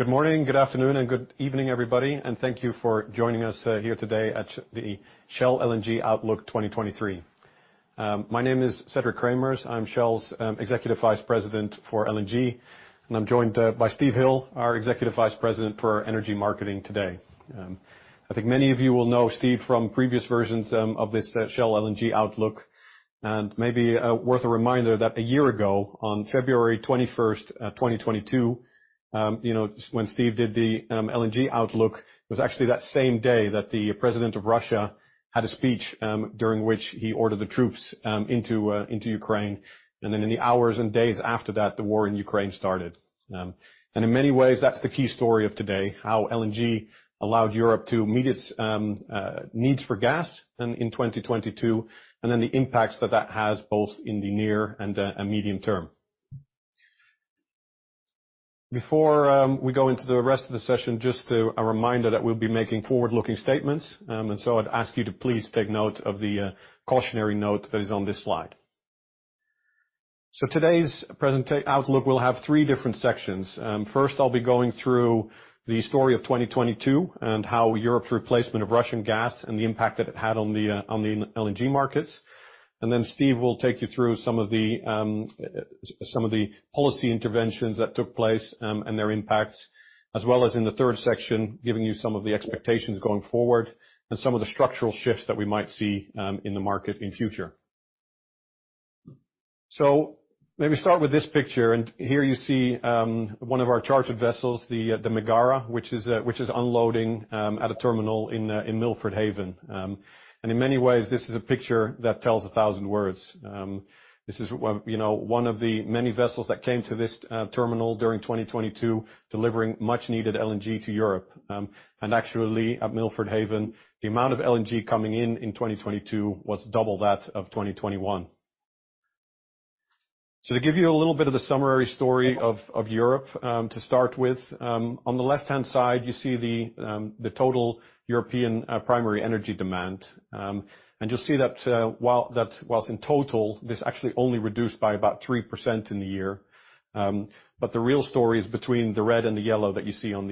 Good morning, good afternoon, and good evening, everybody, and thank you for joining us here today at the Shell LNG Outlook 2023. My name is Cederic Cremers. I'm Shell's Executive Vice President for LNG, and I'm joined by Steve Hill, our Executive Vice President for Energy Marketing today. I think many of you will know Steve from previous versions of this Shell LNG Outlook, and maybe worth a reminder that a year ago, on February 21st, 2022, you know, when Steve did the LNG Outlook, it was actually that same day that the President of Russia had a speech during which he ordered the troops into Ukraine. In the hours and days after that, the war in Ukraine started. In many ways, that's the key story of today, how LNG allowed Europe to meet its needs for gas in 2022, and then the impacts that that has both in the near and medium term. Before we go into the rest of the session, just a reminder that we'll be making forward-looking statements, I'd ask you to please take note of the cautionary note that is on this slide. Today's outlook will have three different sections. First, I'll be going through the story of 2022 and how Europe's replacement of Russian gas and the impact that it had on the LNG markets. Steve will take you through some of the policy interventions that took place, and their impacts, as well as in the third section, giving you some of the expectations going forward and some of the structural shifts that we might see in the market in future. Maybe start with this picture. Here you see one of our chartered vessels, the Megara, which is unloading at a terminal in Milford Haven. In many ways, this is a picture that tells a 1,000 words. This is you know, one of the many vessels that came to this terminal during 2022, delivering much-needed LNG to Europe. Actually at Milford Haven, the amount of LNG coming in in 2022 was double that of 2021. To give you a little bit of the summary story of Europe, to start with, on the left-hand side, you see the total European primary energy demand. You'll see that, whilst in total, this actually only reduced by about 3% in the year. The real story is between the red and the yellow that you see on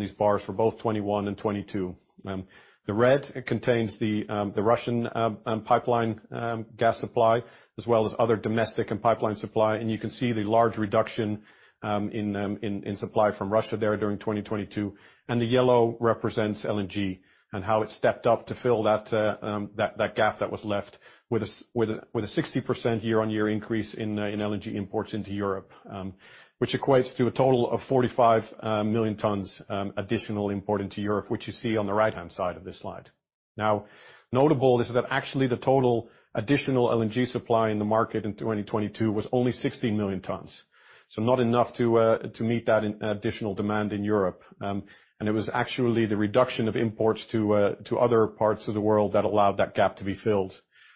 these bars for both 2021 and 2022. The red contains the Russian pipeline gas supply, as well as other domestic and pipeline supply. You can see the large reduction in supply from Russia there during 2022. The yellow represents LNG and how it stepped up to fill that gap that was left with a 60% year-on-year increase in LNG imports into Europe, which equates to a total of 45 million tons additional import into Europe, which you see on the right-hand side of this slide. Now, notable is that actually the total additional LNG supply in the market in 2022 was only 16 million tons. Not enough to meet that additional demand in Europe. It was actually the reduction of imports to other parts of the world that allowed that gap to be filled.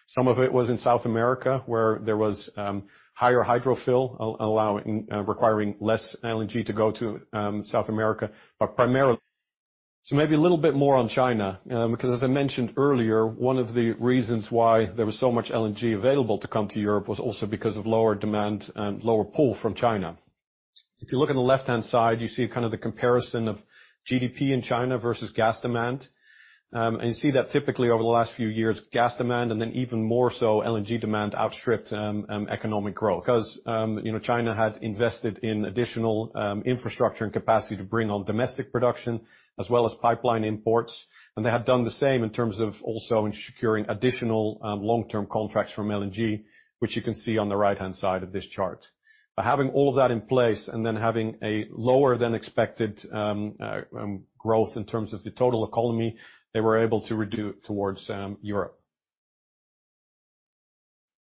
Some of it was in South America, where there was higher hydro fill allowing requiring less LNG to go to South America, but primarily. Maybe a little bit more on China, because as I mentioned earlier, one of the reasons why there was so much LNG available to come to Europe was also because of lower demand and lower pull from China. If you look on the left-hand side, you see kind of the comparison of GDP in China versus gas demand. You see that typically over the last few years, gas demand and then even more so LNG demand outstripped economic growth because, you know, China had invested in additional infrastructure and capacity to bring on domestic production as well as pipeline imports. They have done the same in terms of also in securing additional long-term contracts from LNG, which you can see on the right-hand side of this chart. By having all of that in place and then having a lower than expected, growth in terms of the total economy, they were able to reduce towards, Europe.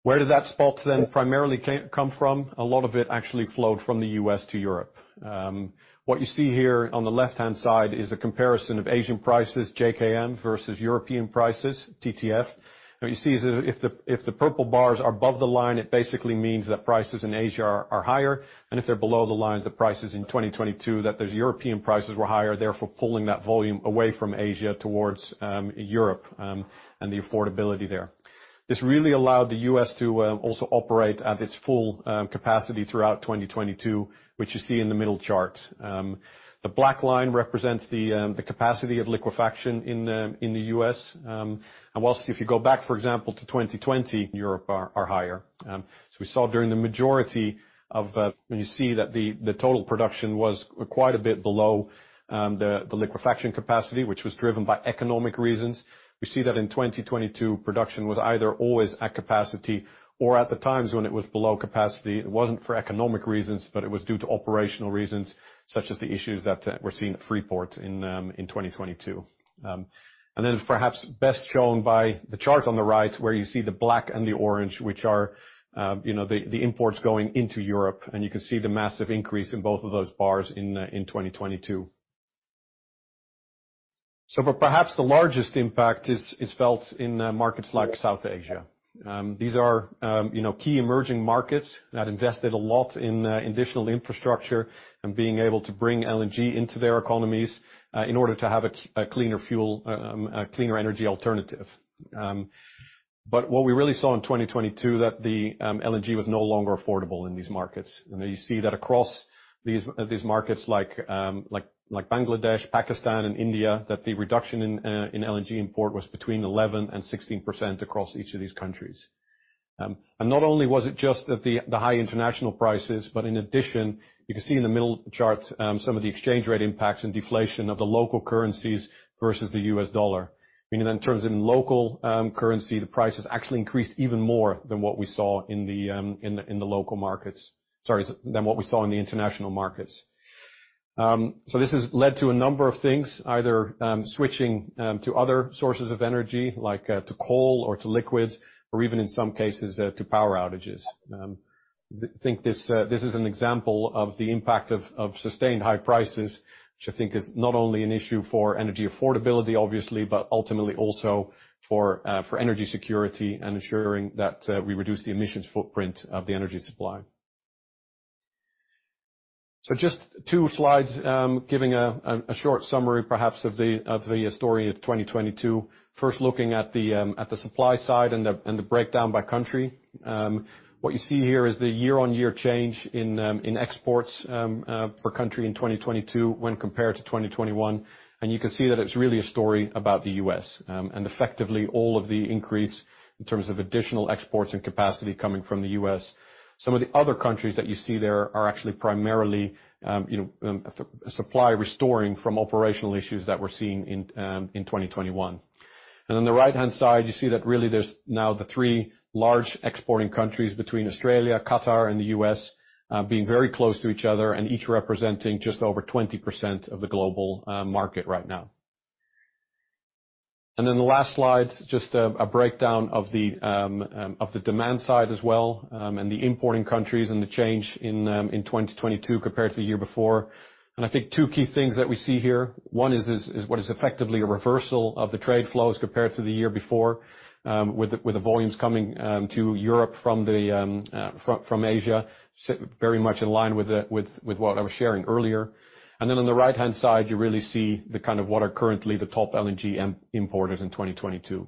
Where did that spot then primarily come from? A lot of it actually flowed from the U.S. to Europe. What you see here on the left-hand side is a comparison of Asian prices, JKM, versus European prices, TTF. What you see is if the purple bars are above the line, it basically means that prices in Asia are higher. If they're below the lines, the prices in 2022, that those European prices were higher, therefore pulling that volume away from Asia towards, Europe, and the affordability there. This really allowed the U.S. To also operate at its full capacity throughout 2022, which you see in the middle chart. The black line represents the capacity of liquefaction in the U.S. Whilst if you go back, for example, to 2020, Europe are higher. We saw during the majority of when you see that the total production was quite a bit below the liquefaction capacity, which was driven by economic reasons. We see that in 2022, production was either always at capacity or at the times when it was below capacity, it wasn't for economic reasons, but it was due to operational reasons, such as the issues that were seen at Freeport in 2022. Then perhaps best shown by the chart on the right where you see the black and the orange, which are, you know, the imports going into Europe, and you can see the massive increase in both of those bars in 2022. Perhaps the largest impact is felt in markets like South Asia. These are, you know, key emerging markets that invested a lot in additional infrastructure and being able to bring LNG into their economies in order to have a cleaner fuel, a cleaner energy alternative. What we really saw in 2022 that the LNG was no longer affordable in these markets. You see that across these markets like Bangladesh, Pakistan and India, that the reduction in LNG import was between 11% and 16% across each of these countries. Not only was it just that the high international prices, but in addition, you can see in the middle chart, some of the exchange rate impacts and deflation of the local currencies versus the U.S. dollar. Meaning that in terms of local currency, the prices actually increased even more than what we saw in the local markets. Sorry, than what we saw in the international markets. This has led to a number of things, either switching to other sources of energy, like to coal or to liquids, or even in some cases, to power outages. Think this is an example of the impact of sustained high prices, which I think is not only an issue for energy affordability obviously, but ultimately also for energy security and ensuring that we reduce the emissions footprint of the energy supply. Just two slides, giving a short summary perhaps of the story of 2022. First looking at the supply side and the breakdown by country. What you see here is the year-on-year change in exports per country in 2022 when compared to 2021. You can see that it's really a story about the U.S., and effectively all of the increase in terms of additional exports and capacity coming from the U.S. Some of the other countries that you see there are actually primarily, supply restoring from operational issues that we're seeing in 2021. On the right-hand side, you see that really there's now the three large exporting countries between Australia, Qatar and the U.S., Being very close to each other and each representing just over 20% of the global market right now. The last slide, just a breakdown of the demand side as well, and the importing countries and the change in 2022 compared to the year before. I think two key things that we see here. One is what is effectively a reversal of the trade flows compared to the year before, with the, with the volumes coming, um, to Europe from the, from Asia, sit very much in line with, with what I was sharing earlier. And then on the right-hand side, you really see the kind of what are currently the top LNG imported in 2022.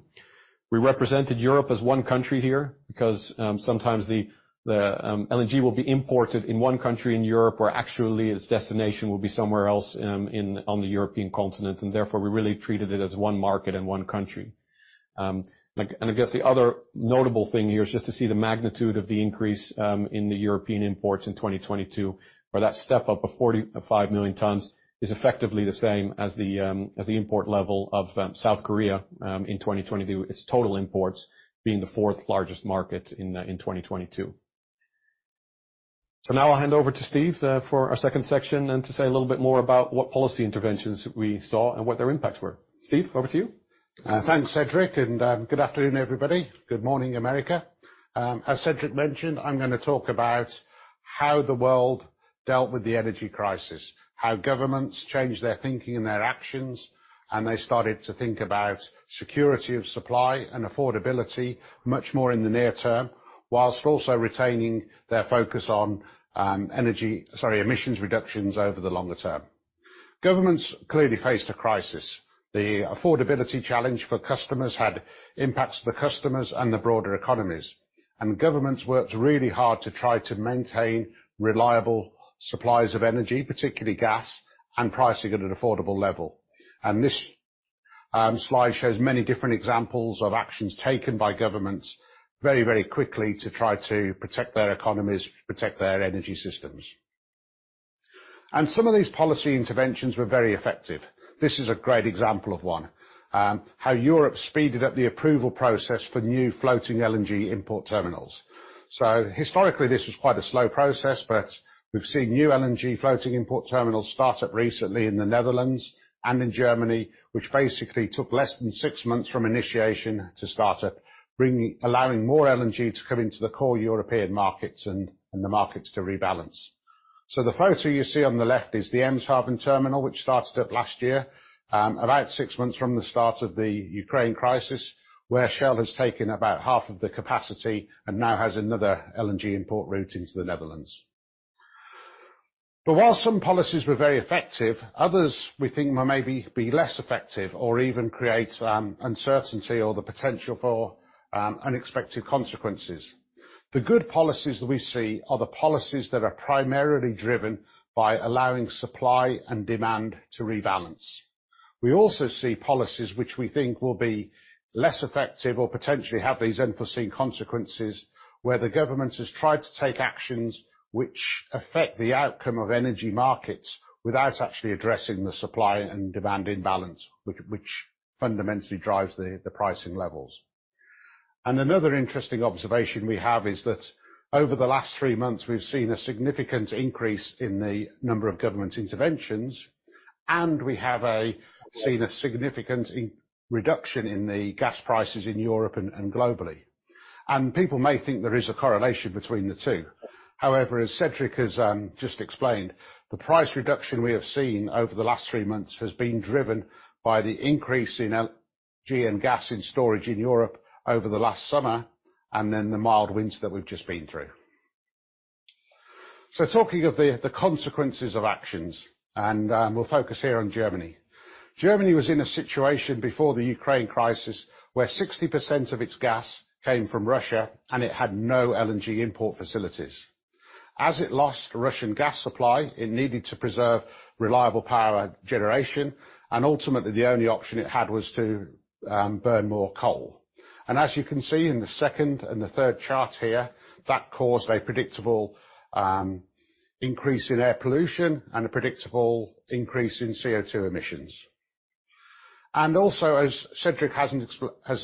We represented Europe as one country here because, sometimes the, LNG will be imported in one country in Europe, where actually its destination will be somewhere else on the European continent, and therefore we really treated it as one market and one country. Like, I guess the other notable thing here is just to see the magnitude of the increase, in the European imports in 2022, where that step up of 45 million tons is effectively the same as the import level of South Korea, in 2022. Its total imports being the fourth largest market in 2022. Now I'll hand over to Steve, for our second section and to say a little bit more about what policy interventions we saw and what their impacts were. Steve, over to you. Thanks, Cedric, and good afternoon, everybody. Good morning, America. As Cedric mentioned, I'm gonna talk about how the world dealt with the energy crisis, how governments changed their thinking and their actions, and they started to think about security of supply and affordability much more in the near term, whilst also retaining their focus on emissions reductions over the longer term. Governments clearly faced a crisis. The affordability challenge for customers had impacts to the customers and the broader economies. Governments worked really hard to try to maintain reliable supplies of energy, particularly gas, and pricing at an affordable level. This slide shows many different examples of actions taken by governments very, very quickly to try to protect their economies, protect their energy systems. Some of these policy interventions were very effective. This is a great example of one, how Europe speeded up the approval process for new floating LNG import terminals. Historically, this was quite a slow process, but we've seen new LNG floating import terminals start up recently in the Netherlands and in Germany, which basically took less than six months from initiation to start up, bringing, allowing more LNG to come into the core European markets and the markets to rebalance. The photo you see on the left is the Eemshaven terminal, which started up last year, about six months from the start of the Ukraine crisis, where Shell has taken about half of the capacity and now has another LNG import route into the Netherlands. While some policies were very effective, others we think may maybe be less effective or even create uncertainty or the potential for unexpected consequences. The good policies that we see are the policies that are primarily driven by allowing supply and demand to rebalance. We also see policies which we think will be less effective or potentially have these unforeseen consequences, where the government has tried to take actions which affect the outcome of energy markets without actually addressing the supply and demand imbalance, which fundamentally drives the pricing levels. Another interesting observation we have is that over the last three months, we've seen a significant increase in the number of government interventions, and we have seen a significant reduction in the gas prices in Europe and globally. People may think there is a correlation between the two. As Cedric has just explained, the price reduction we have seen over the last three months has been driven by the increase in LNG and gas in storage in Europe over the last summer, and then the mild winds that we've just been through. Talking of the consequences of actions, we'll focus here on Germany. Germany was in a situation before the Ukraine crisis where 60% of its gas came from Russia, and it had no LNG import facilities. As it lost Russian gas supply, it needed to preserve reliable power generation, and ultimately, the only option it had was to burn more coal. As you can see in the second and the third chart here, that caused a predictable increase in air pollution and a predictable increase in CO2 emissions. As Cederic hasn't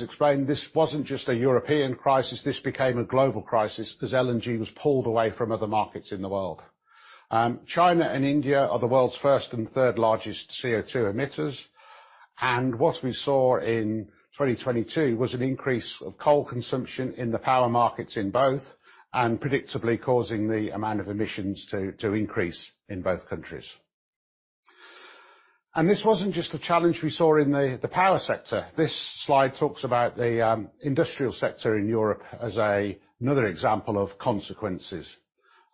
explained, this wasn't just a European crisis, this became a global crisis as LNG was pulled away from other markets in the world. China and India are the world's first and third-largest CO2 emitters. What we saw in 2022 was an increase of coal consumption in the power markets in both and predictably causing the amount of emissions to increase in both countries. This wasn't just a challenge we saw in the power sector. This slide talks about the industrial sector in Europe as another example of consequences.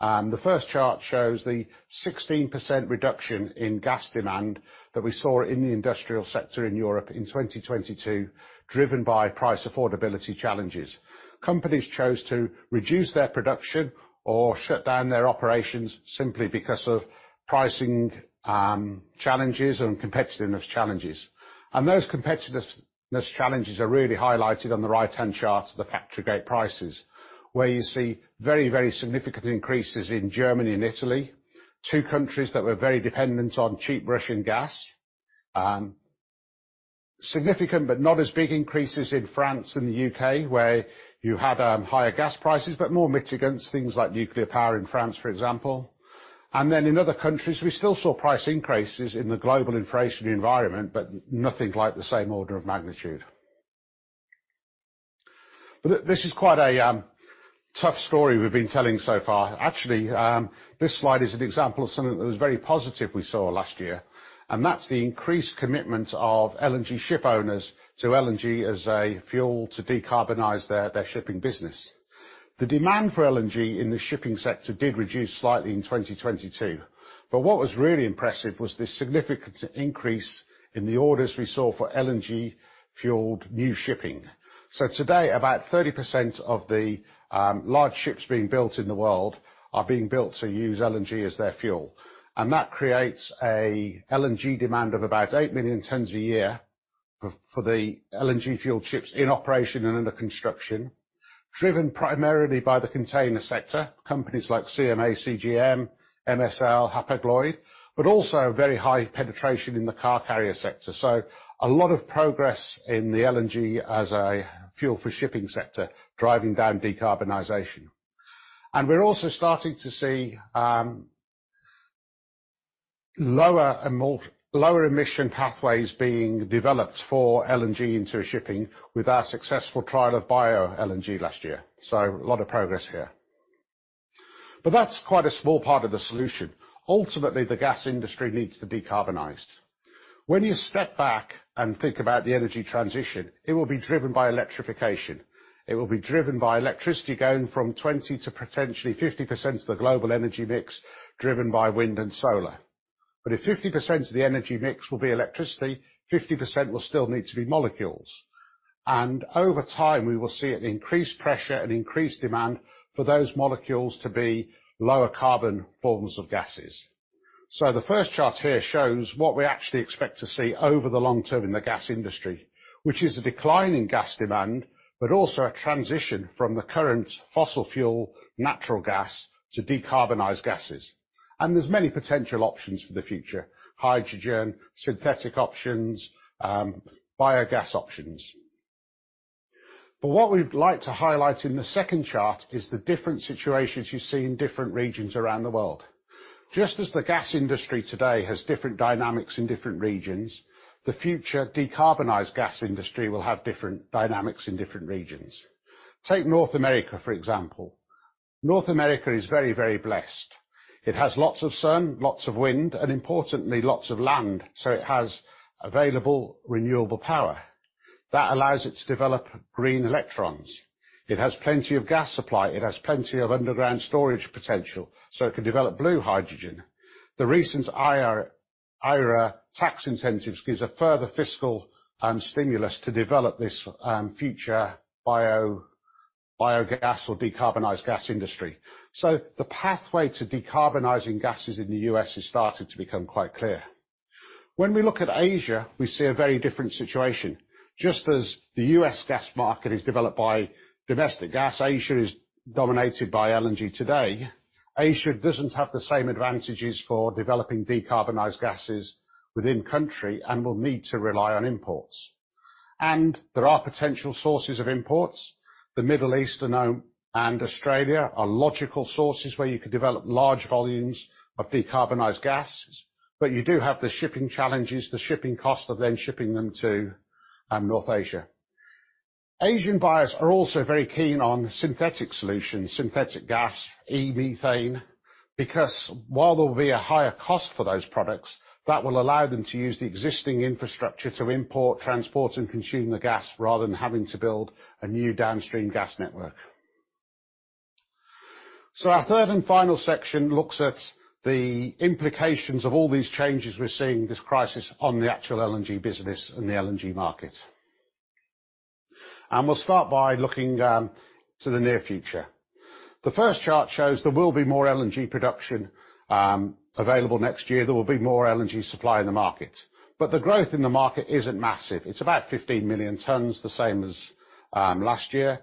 The first chart shows the 16% reduction in gas demand that we saw in the industrial sector in Europe in 2022, driven by price affordability challenges. Companies chose to reduce their production or shut down their operations simply because of pricing, challenges and competitiveness challenges. Those competitiveness challenges are really highlighted on the right-hand chart to the factory gate prices, where you see very, very significant increases in Germany and Italy, two countries that were very dependent on cheap Russian gas. Significant, but not as big increases in France and the U.K., where you had, higher gas prices, but more mitigants, things like nuclear power in France, for example. In other countries, we still saw price increases in the global inflation environment, but nothing like the same order of magnitude. This is quite a, tough story we've been telling so far. Actually, this slide is an example of something that was very positive we saw last year, and that's the increased commitment of LNG shipowners to LNG as a fuel to decarbonize their shipping business. The demand for LNG in the shipping sector did reduce slightly in 2022, but what was really impressive was the significant increase in the orders we saw for LNG-fueled new shipping. Today, about 30% of the large ships being built in the world are being built to use LNG as their fuel. That creates a LNG demand of about 8 million tons a year for the LNG-fueled ships in operation and under construction, driven primarily by the container sector, companies like CMA CGM, MSC, Hapag-Lloyd, but also very high penetration in the car carrier sector. A lot of progress in the LNG as a fuel for shipping sector, driving down decarbonization. We're also starting to see lower emission pathways being developed for LNG into shipping with our successful trial of Bio-LNG last year. A lot of progress here. That's quite a small part of the solution. Ultimately, the gas industry needs to decarbonize. When you step back and think about the energy transition, it will be driven by electrification. It will be driven by electricity going from 20% to potentially 50% of the global energy mix driven by wind and solar. If 50% of the energy mix will be electricity, 50% will still need to be molecules. Over time, we will see an increased pressure and increased demand for those molecules to be lower carbon forms of gases. The first chart here shows what we actually expect to see over the long term in the gas industry, which is a decline in gas demand, but also a transition from the current fossil fuel, natural gas, to decarbonized gases. There's many potential options for the future: hydrogen, synthetic options, biogas options. What we'd like to highlight in the second chart is the different situations you see in different regions around the world. Just as the gas industry today has different dynamics in different regions, the future decarbonized gas industry will have different dynamics in different regions. Take North America, for example. North America is very, very blessed. It has lots of sun, lots of wind, and importantly, lots of land, so it has available renewable power. That allows it to develop green electrons. It has plenty of gas supply. It has plenty of underground storage potential, so it can develop blue hydrogen. The recent IRA tax incentives gives a further fiscal stimulus to develop this future biogas or decarbonized gas industry. The pathway to decarbonizing gases in the U.S. has started to become quite clear. We look at Asia, we see a very different situation. As the U.S. gas market is developed by domestic gas, Asia is dominated by LNG today. Asia doesn't have the same advantages for developing decarbonized gases within country and will need to rely on imports. There are potential sources of imports. The Middle East and Australia are logical sources where you could develop large volumes of decarbonized gas, but you do have the shipping challenges, the shipping cost of then shipping them to North Asia. Asian buyers are also very keen on synthetic solutions, synthetic gas, e-methane, because while there will be a higher cost for those products, that will allow them to use the existing infrastructure to import, transport, and consume the gas rather than having to build a new downstream gas network. Our third and final section looks at the implications of all these changes we're seeing, this crisis on the actual LNG business and the LNG market. We'll start by looking to the near future. The first chart shows there will be more LNG production available next year. There will be more LNG supply in the market. The growth in the market isn't massive. It's about 15 million tons, the same as last year.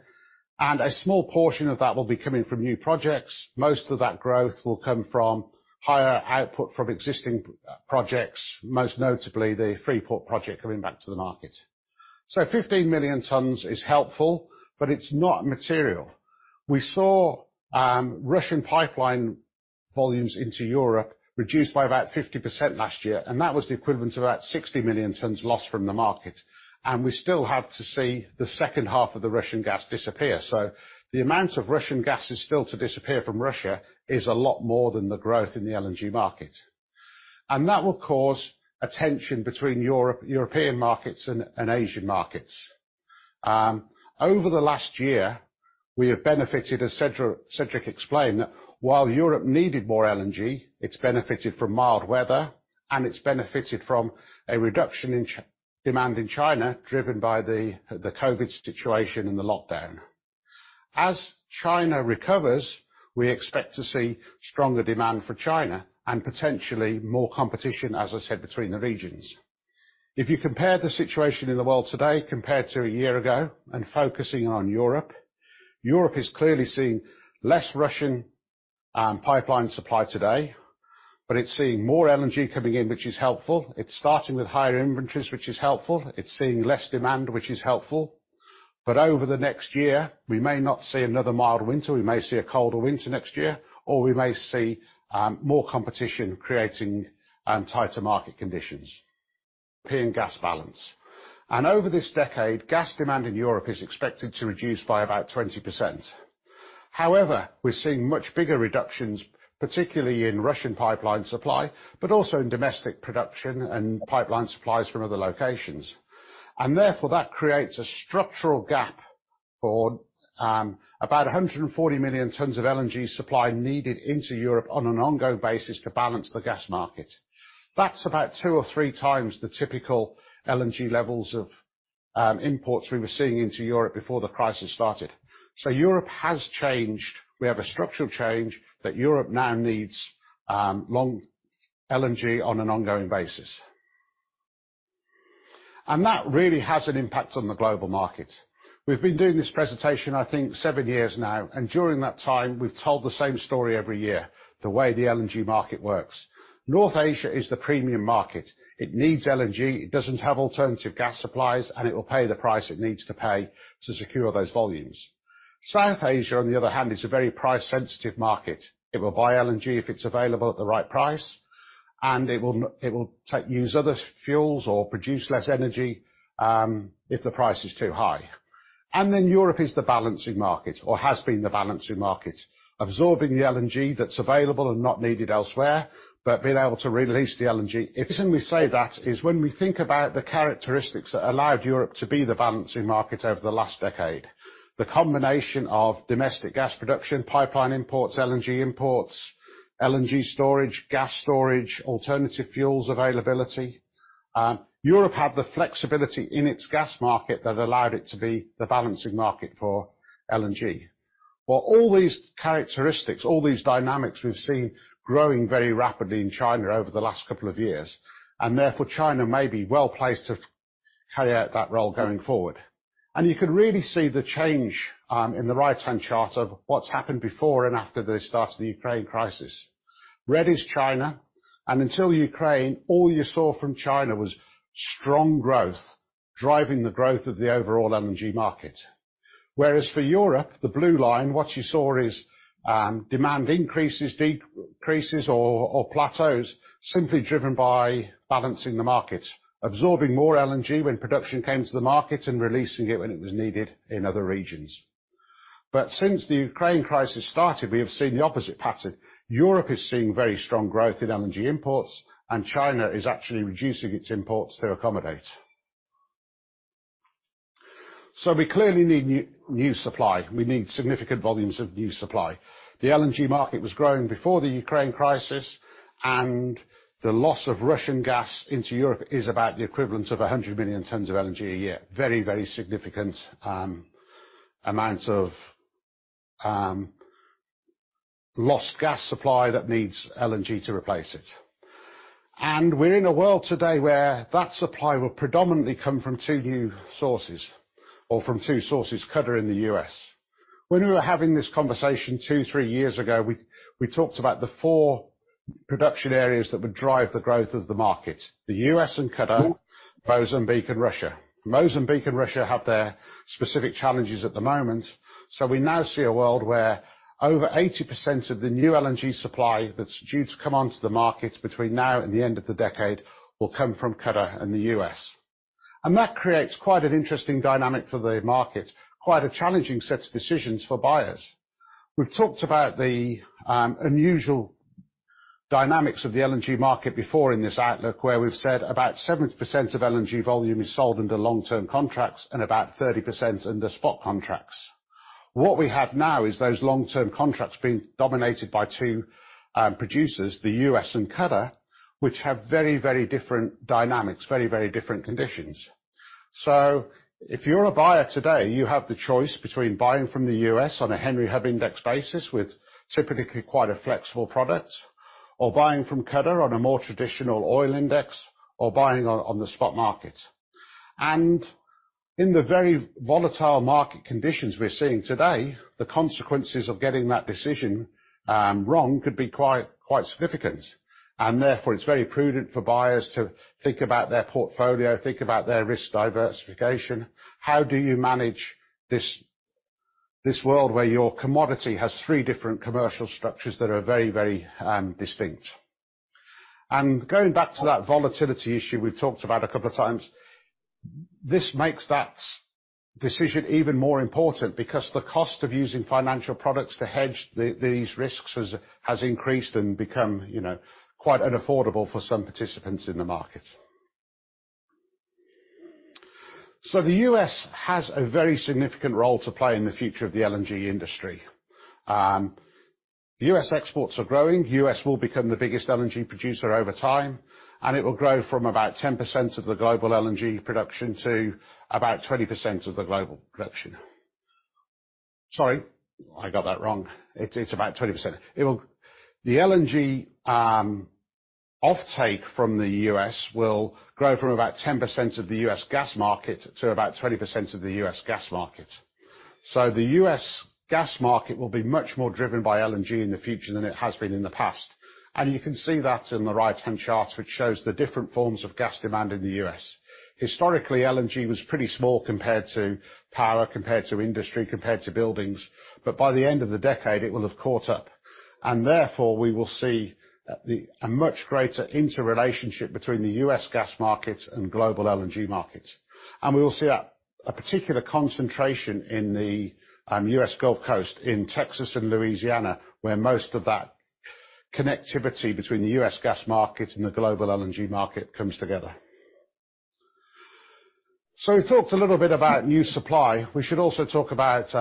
A small portion of that will be coming from new projects. Most of that growth will come from higher output from existing projects, most notably the Freeport project coming back to the market. 15 million tons is helpful, but it's not material. We saw Russian pipeline volumes into Europe reduced by about 50% last year, and that was the equivalent to about 60 million tons lost from the market. We still have to see the second half of the Russian gas disappear. The amount of Russian gas is still to disappear from Russia is a lot more than the growth in the LNG market. That will cause a tension between European markets and Asian markets. Over the last year, we have benefited, as Cedric explained, that while Europe needed more LNG, it's benefited from mild weather, and it's benefited from a reduction in demand in China, driven by the COVID situation and the lockdown. China recovers, we expect to see stronger demand for China and potentially more competition, as I said, between the regions. If you compare the situation in the world today compared to a year ago and focusing on Europe is clearly seeing less Russian pipeline supply today, but it's seeing more LNG coming in, which is helpful. It's starting with higher inventories, which is helpful. It's seeing less demand, which is helpful. Over the next year, we may not see another mild winter. We may see a colder winter next year, or we may see more competition creating tighter market conditions. European gas balance. Over this decade, gas demand in Europe is expected to reduce by about 20%. However, we're seeing much bigger reductions, particularly in Russian pipeline supply, but also in domestic production and pipeline supplies from other locations. Therefore, that creates a structural gap for about 140 million tons of LNG supply needed into Europe on an ongoing basis to balance the gas market. That's about 2 or 3x the typical LNG levels of imports we were seeing into Europe before the crisis started. Europe has changed. We have a structural change that Europe now needs long LNG on an ongoing basis. That really has an impact on the global market. We've been doing this presentation, I think, seven years now, and during that time, we've told the same story every year, the way the LNG market works. North Asia is the premium market. It needs LNG, it doesn't have alternative gas supplies, and it will pay the price it needs to pay to secure those volumes. South Asia, on the other hand, is a very price-sensitive market. It will buy LNG if it's available at the right price, and it will use other fuels or produce less energy if the price is too high. Europe is the balancing market, or has been the balancing market, absorbing the LNG that's available and not needed elsewhere, but being able to release the LNG. The reason we say that is when we think about the characteristics that allowed Europe to be the balancing market over the last decade, the combination of domestic gas production, pipeline imports, LNG imports, LNG storage, gas storage, alternative fuels availability, Europe had the flexibility in its gas market that allowed it to be the balancing market for LNG. While all these characteristics, all these dynamics we've seen growing very rapidly in China over the last couple of years, and therefore China may be well-placed to carry out that role going forward. You can really see the change in the right-hand chart of what's happened before and after the start of the Ukraine crisis. Red is China, and until Ukraine, all you saw from China was strong growth, driving the growth of the overall LNG market. Whereas for Europe, the blue line, what you saw is, demand increases, decreases or plateaus simply driven by balancing the market, absorbing more LNG when production came to the market and releasing it when it was needed in other regions. Since the Ukraine crisis started, we have seen the opposite pattern. Europe is seeing very strong growth in LNG imports, and China is actually reducing its imports to accommodate. We clearly need new supply. We need significant volumes of new supply. The LNG market was growing before the Ukraine crisis, and the loss of Russian gas into Europe is about the equivalent of 100 million tons of LNG a year. Very, very significant amount of lost gas supply that needs LNG to replace it. We're in a world today where that supply will predominantly come from two new sources or from two sources, Qatar in the U.S. When we were having this conversation two, three years ago, we talked about the four production areas that would drive the growth of the market, the U.S. and Qatar, Mozambique and Russia. Mozambique and Russia have their specific challenges at the moment. We now see a world where over 80% of the new LNG supply that's due to come onto the market between now and the end of the decade will come from Qatar and the U.S. That creates quite an interesting dynamic for the market, quite a challenging set of decisions for buyers. We've talked about the unusual dynamics of the LNG market before in this outlook where we've said about 70% of LNG volume is sold under long-term contracts and about 30% under spot contracts. What we have now is those long-term contracts being dominated by two producers, the U.S. and Qatar, which have very, very different dynamics, very, very different conditions. If you're a buyer today, you have the choice between buying from the U.S. on a Henry Hub index basis with typically quite a flexible product, or buying from Qatar on a more traditional oil index, or buying on the spot market. In the very volatile market conditions we're seeing today, the consequences of getting that decision wrong could be quite significant. Therefore, it's very prudent for buyers to think about their portfolio, think about their risk diversification. How do you manage this world where your commodity has three different commercial structures that are very distinct? Going back to that volatility issue we've talked about a couple of times, this makes that decision even more important because the cost of using financial products to hedge these risks has increased and become, you know, quite unaffordable for some participants in the market. The U.S. has a very significant role to play in the future of the LNG industry. The U.S. exports are growing. The U.S. will become the biggest LNG producer over time, and it will grow from about 10% of the global LNG production to about 20% of the global production. Sorry, I got that wrong. It's about 20%. The LNG offtake from the U.S. will grow from about 10% of the U.S. gas market to about 20% of the U.S. gas market. The U.S. gas market will be much more driven by LNG in the future than it has been in the past. You can see that in the right-hand chart, which shows the different forms of gas demand in the U.S. Historically, LNG was pretty small compared to power, compared to industry, compared to buildings. By the end of the decade, it will have caught up. Therefore, we will see a much greater interrelationship between the U.S. gas market and global LNG markets. We will see a particular concentration in the U.S. Gulf Coast in Texas and Louisiana, where most of that connectivity between the U.S. gas market and the global LNG market comes together. We talked a little bit about new supply. We should also talk about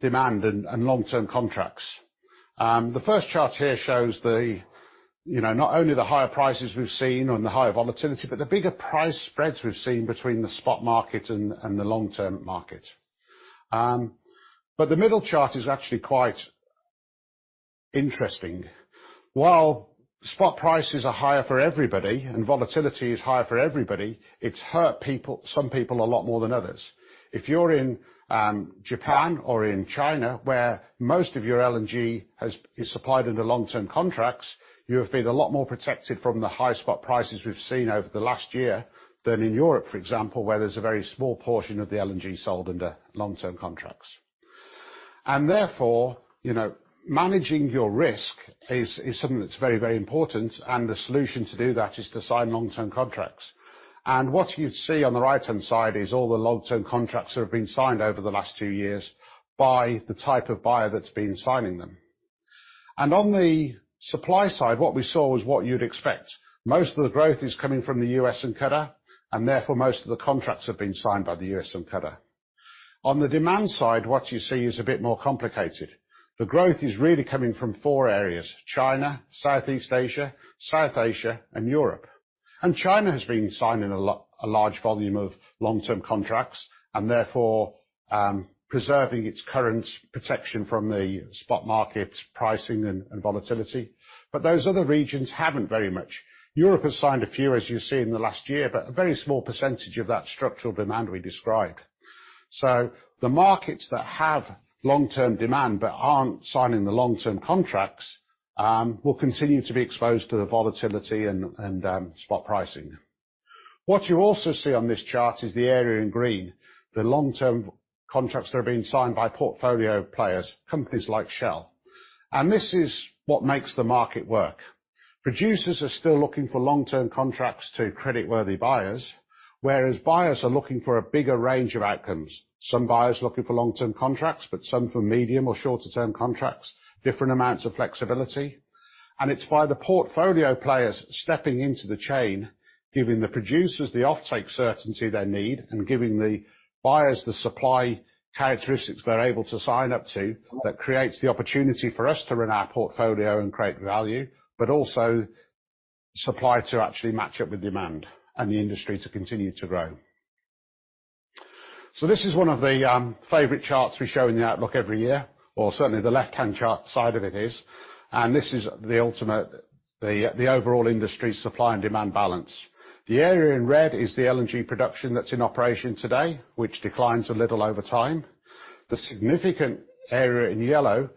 demand and long-term contracts. The first chart here shows the, you know, not only the higher prices we've seen or the higher volatility, but the bigger price spreads we've seen between the spot market and the long-term market. The middle chart is actually quite interesting. While spot prices are higher for everybody and volatility is higher for everybody, it's hurt people, some people a lot more than others. If you're in Japan or in China, where most of your LNG is supplied under long-term contracts, you have been a lot more protected from the high spot prices we've seen over the last year than in Europe, for example, where there's a very small portion of the LNG sold under long-term contracts. Therefore, you know, managing your risk is something that's very, very important, and the solution to do that is to sign long-term contracts. What you see on the right-hand side is all the long-term contracts that have been signed over the last two years by the type of buyer that's been signing them. On the supply side, what we saw was what you'd expect. Most of the growth is coming from the U.S. and Qatar, and therefore, most of the contracts have been signed by the U.S. and Qatar. On the demand side, what you see is a bit more complicated. The growth is really coming from four areas, China, Southeast Asia, South Asia, and Europe. China has been signing a large volume of long-term contracts, and therefore, preserving its current protection from the spot market pricing and volatility. Those other regions haven't very much. Europe has signed a few, as you see in the last year, but a very small percentage of that structural demand we described. The markets that have long-term demand but aren't signing the long-term contracts, will continue to be exposed to the volatility and spot pricing. What you also see on this chart is the area in green, the long-term contracts that are being signed by portfolio players, companies like Shell. This is what makes the market work. Producers are still looking for long-term contracts to creditworthy buyers, whereas buyers are looking for a bigger range of outcomes. Some buyers are looking for long-term contracts, but some for medium or shorter-term contracts, different amounts of flexibility. It's by the portfolio players stepping into the chain, giving the producers the offtake certainty they need and giving the buyers the supply characteristics they're able to sign up to that creates the opportunity for us to run our portfolio and create value. Also supply to actually match up with demand and the industry to continue to grow. This is one of the favorite charts we show in the outlook every year, or certainly the left-hand chart side of it is. This is the ultimate, the overall industry supply and demand balance. The area in red is the LNG production that's in operation today, which declines a little over time. The significant area in yellow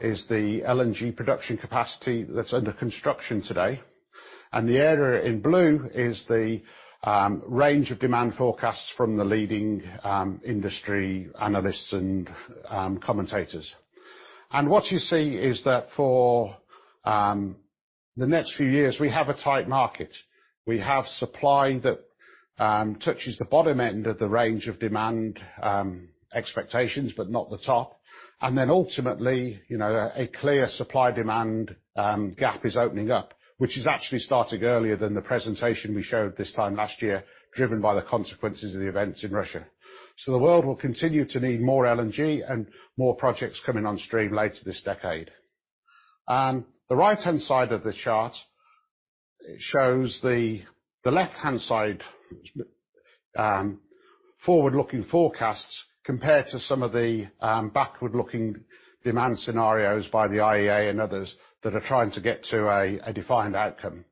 is the LNG production capacity that's under construction today, and the area in blue is the range of demand forecasts from the leading industry analysts and commentators. What you see is that for the next few years, we have a tight market. We have supply that touches the bottom end of the range of demand expectations, but not the top. Ultimately, you know, a clear supply-demand gap is opening up, which is actually starting earlier than the presentation we showed this time last year, driven by the consequences of the events in Russia. The world will continue to need more LNG and more projects coming on stream later this decade. The right-hand side of the chart shows the left-hand side, forward-looking forecasts compared to some of the backward-looking demand scenarios by the IEA and others that are trying to get to a defined outcome.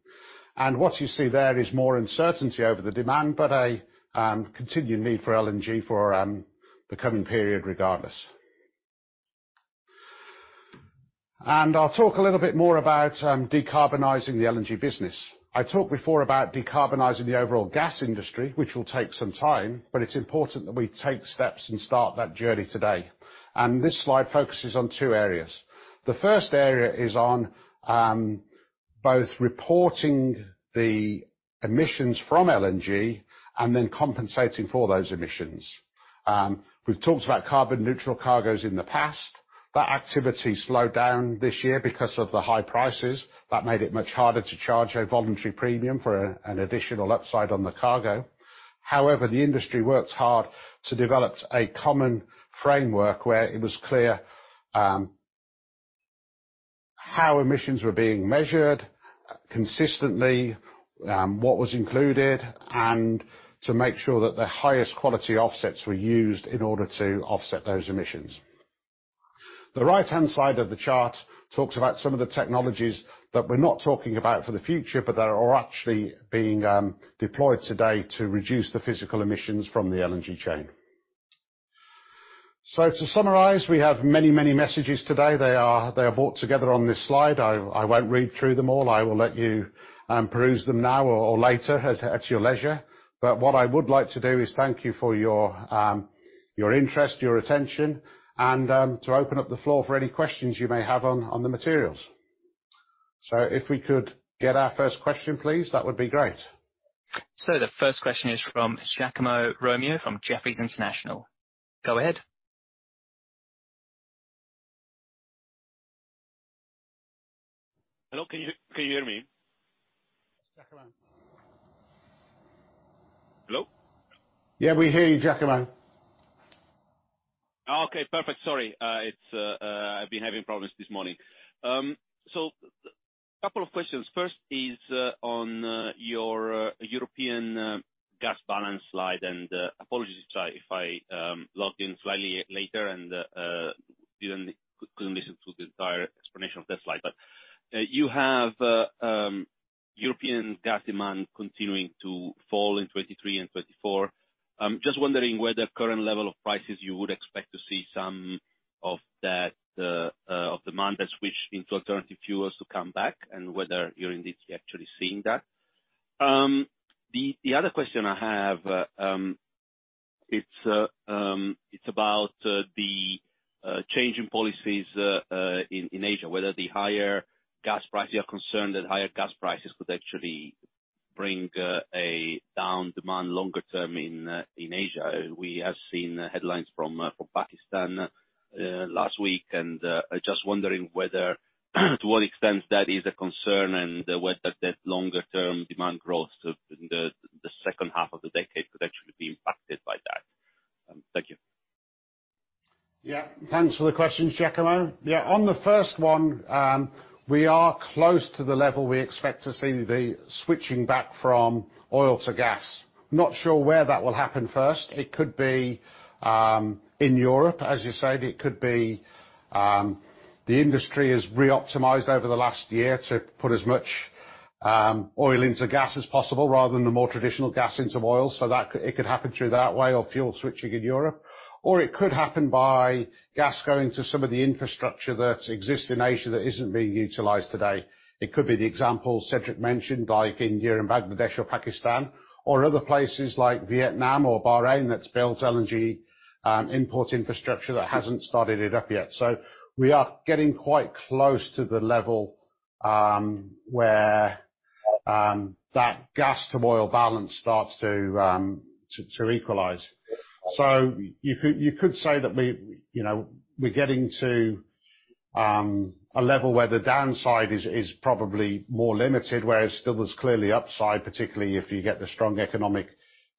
What you see there is more uncertainty over the demand, but a continued need for LNG for the coming period regardless. I'll talk a little bit more about decarbonizing the LNG business. I talked before about decarbonizing the overall gas industry, which will take some time, but it's important that we take steps and start that journey today. This slide focuses on two areas. The first area is on both reporting the emissions from LNG and then compensating for those emissions. We've talked about carbon-neutral cargoes in the past. That activity slowed down this year because of the high prices. That made it much harder to charge a voluntary premium for an additional upside on the cargo. The industry worked hard to develop a common framework where it was clear how emissions were being measured consistently, what was included, and to make sure that the highest quality offsets were used in order to offset those emissions. The right-hand side of the chart talks about some of the technologies that we're not talking about for the future, but that are actually being deployed today to reduce the physical emissions from the LNG chain. To summarize, we have many, many messages today. They are brought together on this slide. I won't read through them all. I will let you peruse them now or later at your leisure. What I would like to do is thank you for your interest, your attention, and, to open up the floor for any questions you may have on the materials. If we could get our first question, please, that would be great. The first question is from Giacomo Romeo, from Jefferies International. Go ahead. Hello, can you hear me? Giacomo. Hello? Yeah, we hear you, Giacomo. Okay, perfect. Sorry, it's, I've been having problems this morning. A couple of questions. First is, on your European gas balance slide, and apologies if I logged in slightly later and couldn't listen to the entire explanation of that slide. You have European gas demand continuing to fall in 2023 and 2024. Just wondering whether current level of prices you would expect to see some of that of demand that switched into alternative fuels to come back and whether you're indeed actually seeing that. The, the other question I have, it's about the change in policies in Asia, whether the higher gas prices are concerned that higher gas prices could actually bring a down demand longer-term in Asia. We have seen headlines from Pakistan last week, and just wondering whether to what extent that is a concern and whether that longer-term demand growth to the second half of the decade could actually be impacted by that. Thank you. Yeah. Thanks for the question, Giacomo. Yeah, on the first one, we are close to the level we expect to see the switching back from oil to gas. Not sure where that will happen first. It could be in Europe, as you say. It could be the industry has reoptimized over the last year to put as much oil into gas as possible rather than the more traditional gas into oil. It could happen through that way or fuel switching in Europe. It could happen by gas going to some of the infrastructure that exists in Asia that isn't being utilized today. It could be the example Cedric mentioned, like India and Bangladesh or Pakistan or other places like Vietnam or Bahrain that's built LNG import infrastructure that hasn't started it up yet. We are getting quite close to the level where that gas to oil balance starts to equalize. You could, you know, we're getting to a level where the downside is probably more limited, whereas still there's clearly upside, particularly if you get the strong economic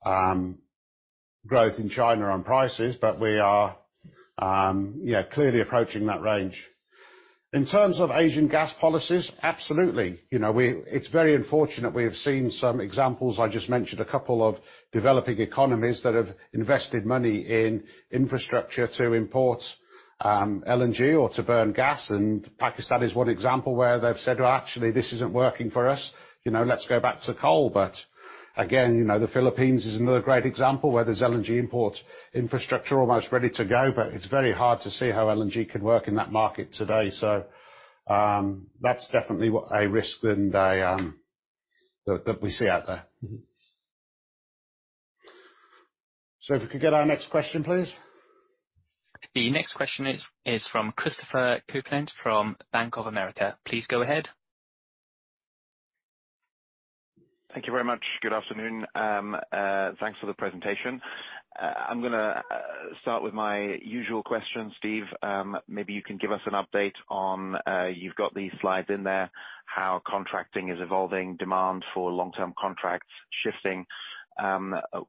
growth in China on prices. We are, yeah, clearly approaching that range. In terms of Asian gas policies, absolutely. You know, it's very unfortunate. We have seen some examples. I just mentioned a couple of developing economies that have invested money in infrastructure to import LNG or to burn gas. Pakistan is one example where they've said, "Well, actually, this isn't working for us. You know, let's go back to coal." Again, you know, the Philippines is another great example where there's LNG import infrastructure almost ready to go, but it's very hard to see how LNG could work in that market today. That's definitely a risk and a, that we see out there. If we could get our next question, please. The next question is from Christopher Kuplent from Bank of America. Please go ahead. Thank you very much. Good afternoon. Thanks for the presentation. I'm gonna start with my usual question, Steve. Maybe you can give us an update on, you've got these slides in there, how contracting is evolving, demand for long-term contracts shifting.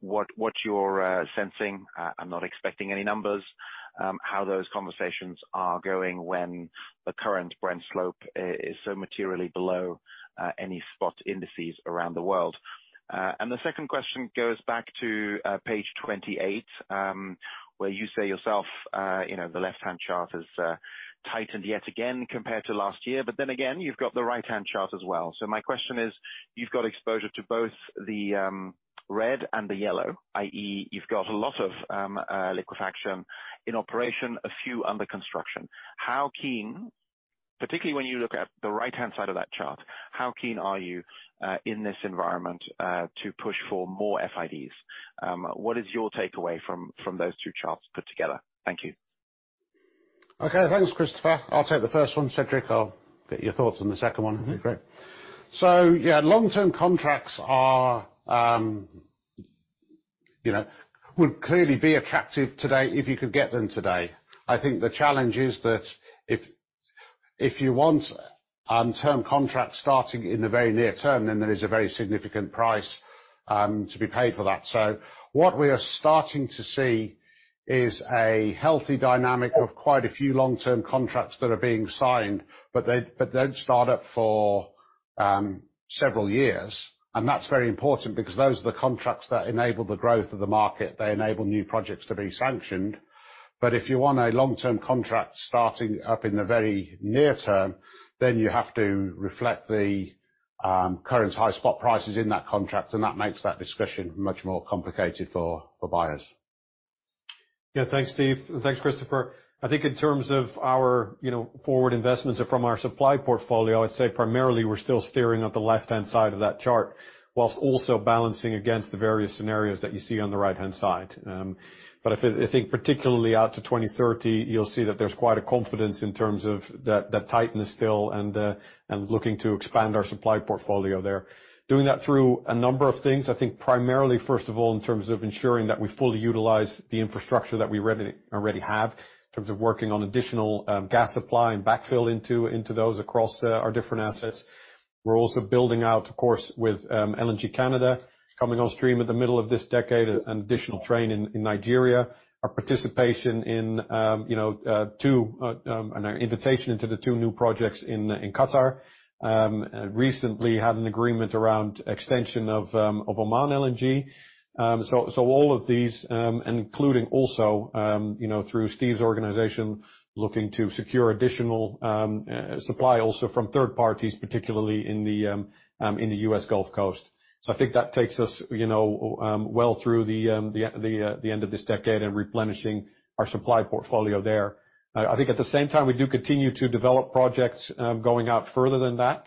What you're sensing. I'm not expecting any numbers. How those conversations are going when the current Brent slope is so materially below any spot indices around the world. The second question goes back to page 28, where you say yourself, you know, the left-hand chart has tightened yet again compared to last year. You've got the right-hand chart as well. My question is, you've got exposure to both the red and the yellow, i.e. you've got a lot of liquefaction in operation, a few under construction. Particularly when you look at the right-hand side of that chart, how keen are you in this environment to push for more FIDs? What is your takeaway from those two charts put together? Thank you. Okay. Thanks, Christopher. I'll take the first one. Cedric, I'll get your thoughts on the second one. Mm-hmm. Okay, great. Yeah, long-term contracts are, you know, would clearly be attractive today if you could get them today. I think the challenge is that if you want a term contract starting in the very near term, then there is a very significant price to be paid for that. What we are starting to see is a healthy dynamic of quite a few long-term contracts that are being signed, but they don't start up for several years. That's very important because those are the contracts that enable the growth of the market. They enable new projects to be sanctioned. If you want a long-term contract starting up in the very near term, then you have to reflect the current high spot prices in that contract, and that makes that discussion much more complicated for buyers. Yeah. Thanks, Steve. Thanks, Christopher. I think in terms of our, you know, forward investments from our supply portfolio, I'd say primarily we're still steering at the left-hand side of that chart, whilst also balancing against the various scenarios that you see on the right-hand side. I think particularly out to 2030, you'll see that there's quite a confidence in terms of that tightness still and looking to expand our supply portfolio there. Doing that through a number of things. I think primarily, first of all, in terms of ensuring that we fully utilize the infrastructure that we already have, in terms of working on additional gas supply and backfill into those across our different assets. We're also building out, of course, with LNG Canada coming on stream in the middle of this decade, an additional train in Nigeria. Our participation in, you know, an invitation into the two new projects in Qatar. Recently had an agreement around extension of Oman LNG. All of these, including also, you know, through Steve's organization, looking to secure additional supply also from third parties, particularly in the U.S. Gulf Coast. I think that takes us, you know, well through the end of this decade and replenishing our supply portfolio there. I think at the same time, we do continue to develop projects, going out further than that.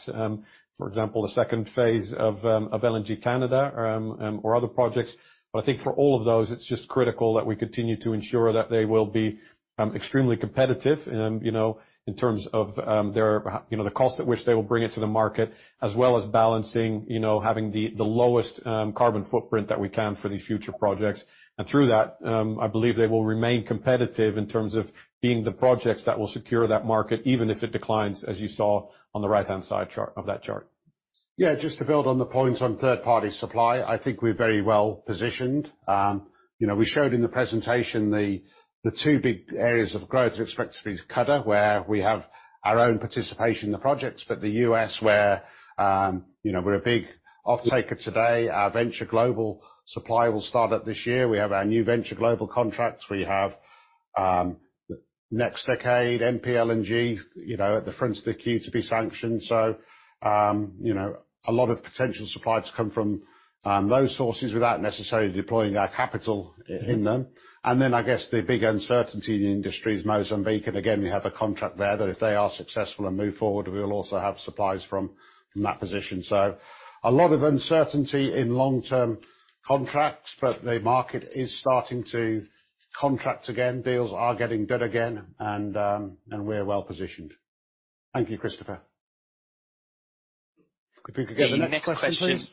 For example, the second phase of LNG Canada or other projects. I think for all of those, it's just critical that we continue to ensure that they will be extremely competitive, you know, in terms of their, you know, the cost at which they will bring it to the market, as well as balancing, you know, having the lowest carbon footprint that we can for these future projects. Through that, I believe they will remain competitive in terms of being the projects that will secure that market, even if it declines, as you saw on the right-hand side of that chart. Yeah. Just to build on the points on third-party supply. I think we're very well-positioned. You know, we showed in the presentation the two big areas of growth are expected to be Qatar, where we have our own participation in the projects, but the U.S. where, you know, we're a big off taker today. Our Venture Global supply will start up this year. We have our new Venture Global contracts. We have NextDecade, NLNG, you know, at the front of the queue to be sanctioned. A lot of potential supply to come from those sources without necessarily deploying our capital in them. I guess the big uncertainty in the industry is Mozambique. We have a contract there that if they are successful and move forward, we will also have supplies from that position. A lot of uncertainty in long-term contracts, but the market is starting to contract again. Deals are getting done again, and we're well-positioned. Thank you, Christopher. If we could get the next question, please.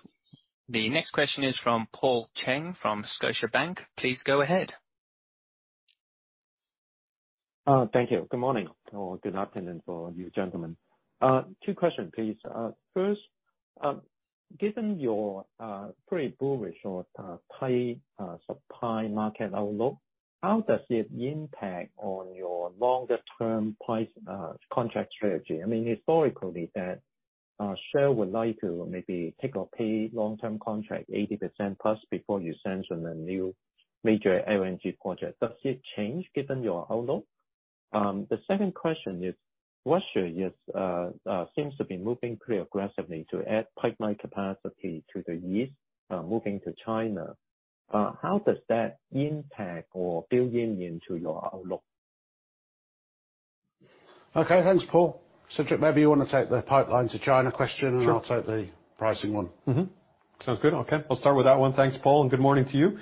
The next question is from Paul Cheng, from Scotiabank. Please go ahead. Thank you. Good morning or good afternoon for you gentlemen. Two question, please. First, given your pretty bullish or tight supply market outlook, how does it impact on your longer term price contract strategy? I mean, historically that Shell would like to maybe take or pay long-term contract 80% plus before you sanction a new major LNG project. Does it change given your outlook? The second question is, Russia seems to be moving pretty aggressively to add pipeline capacity to the East, moving to China. How does that impact or build in into your outlook? Okay. Thanks, Paul. Cederic, maybe you want to take the pipeline to China question- Sure. I'll take the pricing one. Sounds good. Okay. I'll start with that one. Thanks, Paul, and good morning to you.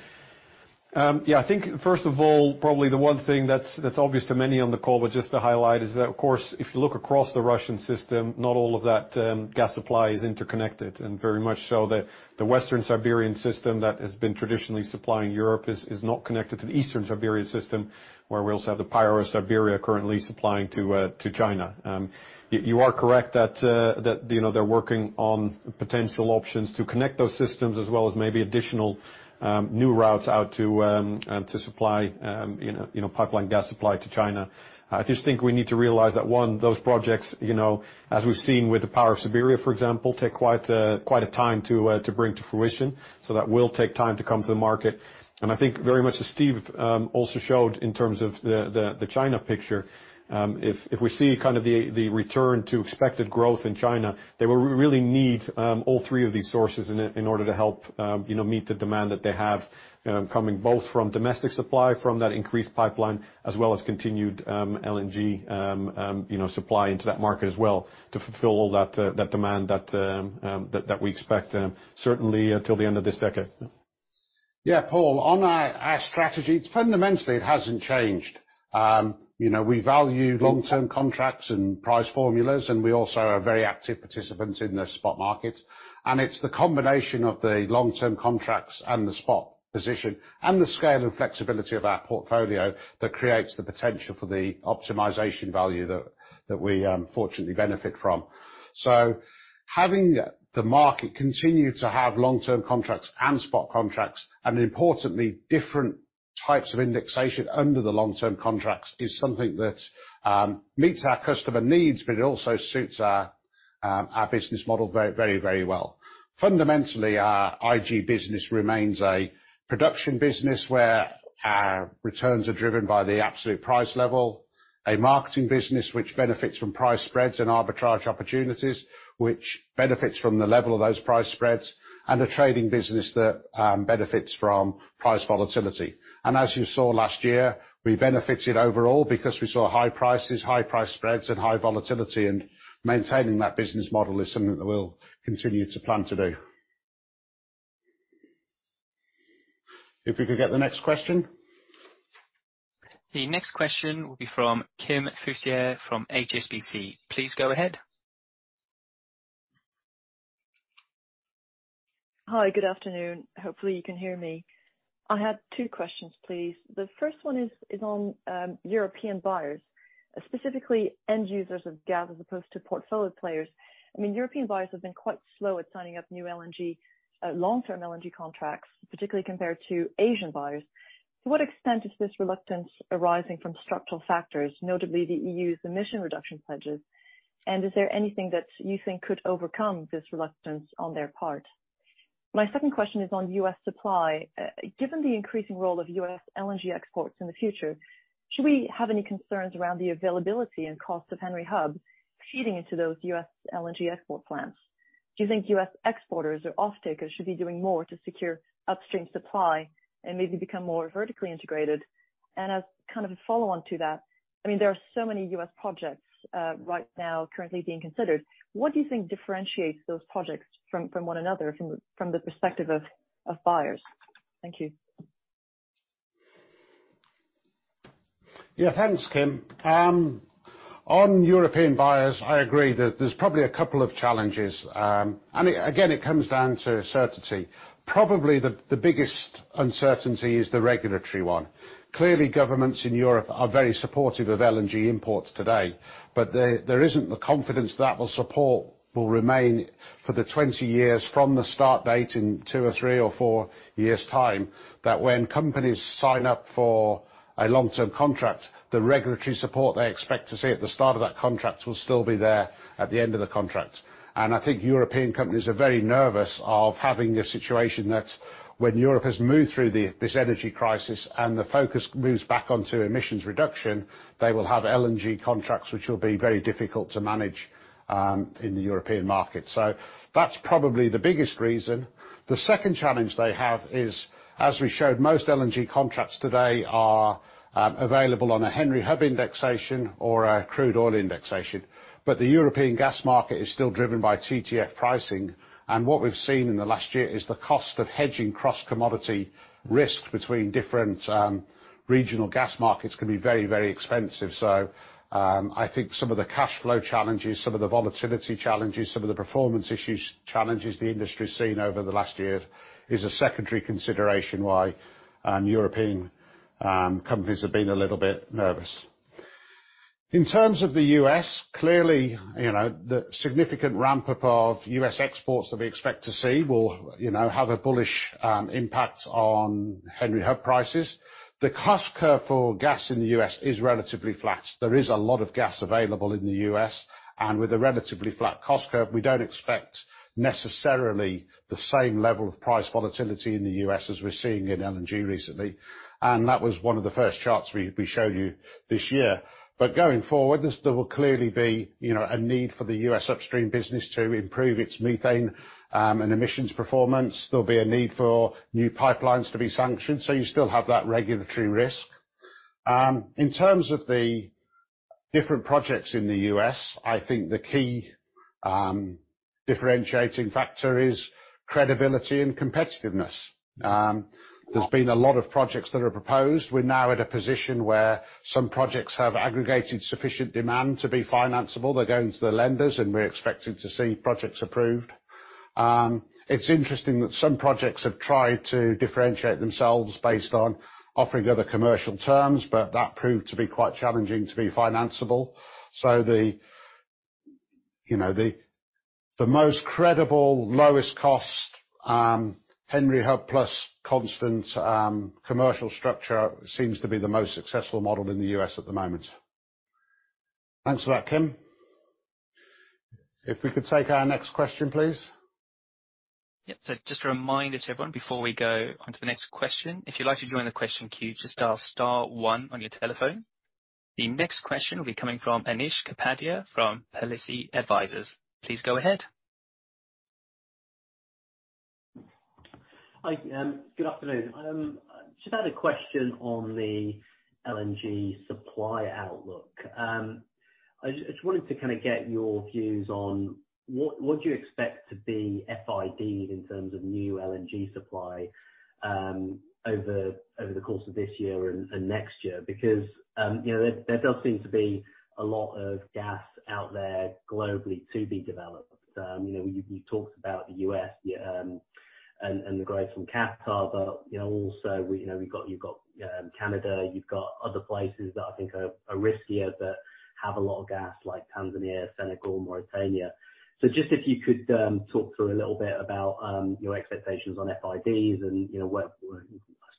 Yeah, I think first of all, probably the one thing that's obvious to many on the call, but just to highlight is that, of course, if you look across the Russian system, not all of that gas supply is interconnected. Very much so the Western Siberian system that has been traditionally supplying Europe is not connected to the Eastern Siberian system, where we also have the Power of Siberia currently supplying to China. You are correct that, you know, they're working on potential options to connect those systems as well as maybe additional new routes out to supply, you know, pipeline gas supply to China. I just think we need to realize that, one, those projects, you know, as we've seen with the Power of Siberia, for example, take quite a time to bring to fruition. That will take time to come to the market. I think very much as Steve also showed in terms of the China picture, if we see kind of the return to expected growth in China, they will really need all three of these sources in order to help, you know, meet the demand that they have, coming both from domestic supply, from that increased pipeline, as well as continued LNG, you know, supply into that market as well to fulfill all that demand that we expect, certainly until the end of this decade. Yeah, Paul, on our strategy, fundamentally it hasn't changed. You know, we value long-term contracts and price formulas, we also are very active participants in the spot market. It's the combination of the long-term contracts and the spot position and the scale and flexibility of our portfolio that creates the potential for the optimization value that we fortunately benefit from. Having the market continue to have long-term contracts and spot contracts, and importantly, different types of indexation under the long-term contracts, is something that meets our customer needs, but it also suits our business model very, very well. Fundamentally, our IG business remains a production business where our returns are driven by the absolute price level, a marketing business which benefits from price spreads and arbitrage opportunities, which benefits from the level of those price spreads, and a trading business that benefits from price volatility. As you saw last year, we benefited overall because we saw high prices, high price spreads, and high volatility. Maintaining that business model is something that we'll continue to plan to do. If we could get the next question. The next question will be from Kim Fustier from HSBC. Please go ahead. Hi, good afternoon. Hopefully you can hear me. I have two questions, please. The first one is on European buyers, specifically end users of gas as opposed to portfolio players. I mean, European buyers have been quite slow at signing up new LNG long-term LNG contracts, particularly compared to Asian buyers. To what extent is this reluctance arising from structural factors, notably the EU's emission reduction pledges? Is there anything that you think could overcome this reluctance on their part? My second question is on U.S. supply. Given the increasing role of U.S. LNG exports in the future, should we have any concerns around the availability and cost of Henry Hub feeding into those U.S. LNG export plans? Do you think U.S. exporters or off-takers should be doing more to secure upstream supply and maybe become more vertically integrated? As kind of a follow-on to that, I mean, there are so many U.S. projects, right now currently being considered. What do you think differentiates those projects from one another from the perspective of buyers? Thank you. Yeah. Thanks, Kim. On European buyers, I agree that there's probably a couple of challenges. Again, it comes down to certainty. Probably the biggest uncertainty is the regulatory one. Clearly, governments in Europe are very supportive of LNG imports today, there isn't the confidence that will support will remain for the 20 years from the start date in two or three or four years' time, that when companies sign up for a long-term contract, the regulatory support they expect to see at the start of that contract will still be there at the end of the contract. I think European companies are very nervous of having a situation that when Europe has moved through this energy crisis and the focus moves back onto emissions reduction, they will have LNG contracts which will be very difficult to manage in the European market. That's probably the biggest reason. The second challenge they have is, as we showed, most LNG contracts today are available on a Henry Hub indexation or a crude oil indexation. The European gas market is still driven by TTF pricing. What we've seen in the last year is the cost of hedging cross-commodity risk between different regional gas markets can be very, very expensive. I think some of the cash flow challenges, some of the volatility challenges, some of the performance issues challenges the industry's seen over the last year is a secondary consideration why European companies have been a little bit nervous. In terms of the U.S., clearly, you know, the significant ramp-up of U.S. exports that we expect to see will, you know, have a bullish impact on Henry Hub prices. The cost curve for gas in the U.S. Is relatively flat. There is a lot of gas available in the U.S., and with a relatively flat cost curve, we don't expect necessarily the same level of price volatility in the U.S. As we're seeing in LNG recently. That was one of the first charts we showed you this year. Going forward, there will clearly be, you know, a need for the U.S. upstream business to improve its methane and emissions performance. There'll be a need for new pipelines to be sanctioned. You still have that regulatory risk. In terms of Different projects in the U.S., I think the key differentiating factor is credibility and competitiveness. There's been a lot of projects that are proposed. We're now at a position where some projects have aggregated sufficient demand to be financiable. They're going to the lenders, and we're expecting to see projects approved. It's interesting that some projects have tried to differentiate themselves based on offering other commercial terms, but that proved to be quite challenging to be financiable. The, you know, the most credible, lowest cost, Henry Hub plus constant, commercial structure seems to be the most successful model in the U.S. at the moment. Thanks for that, Kim. If we could take our next question, please. Yep. Just a reminder to everyone, before we go on to the next question, if you'd like to join the question queue, just dial star one on your telephone. The next question will be coming from Anish Kapadia from Palissy Advisors. Please go ahead. Hi, good afternoon. Just had a question on the LNG supply outlook. I just wanted to kind of get your views on what do you expect to be FID in terms of new LNG supply over the course of this year and next year? You know, there does seem to be a lot of gas out there globally to be developed. You know, you talked about the U.S. and the growth from Qatar, you know, also, you've got Canada. You've got other places that I think are riskier but have a lot of gas, like Tanzania, Senegal, Mauritania. Just if you could talk through a little bit about your expectations on FIDs and, you know, where I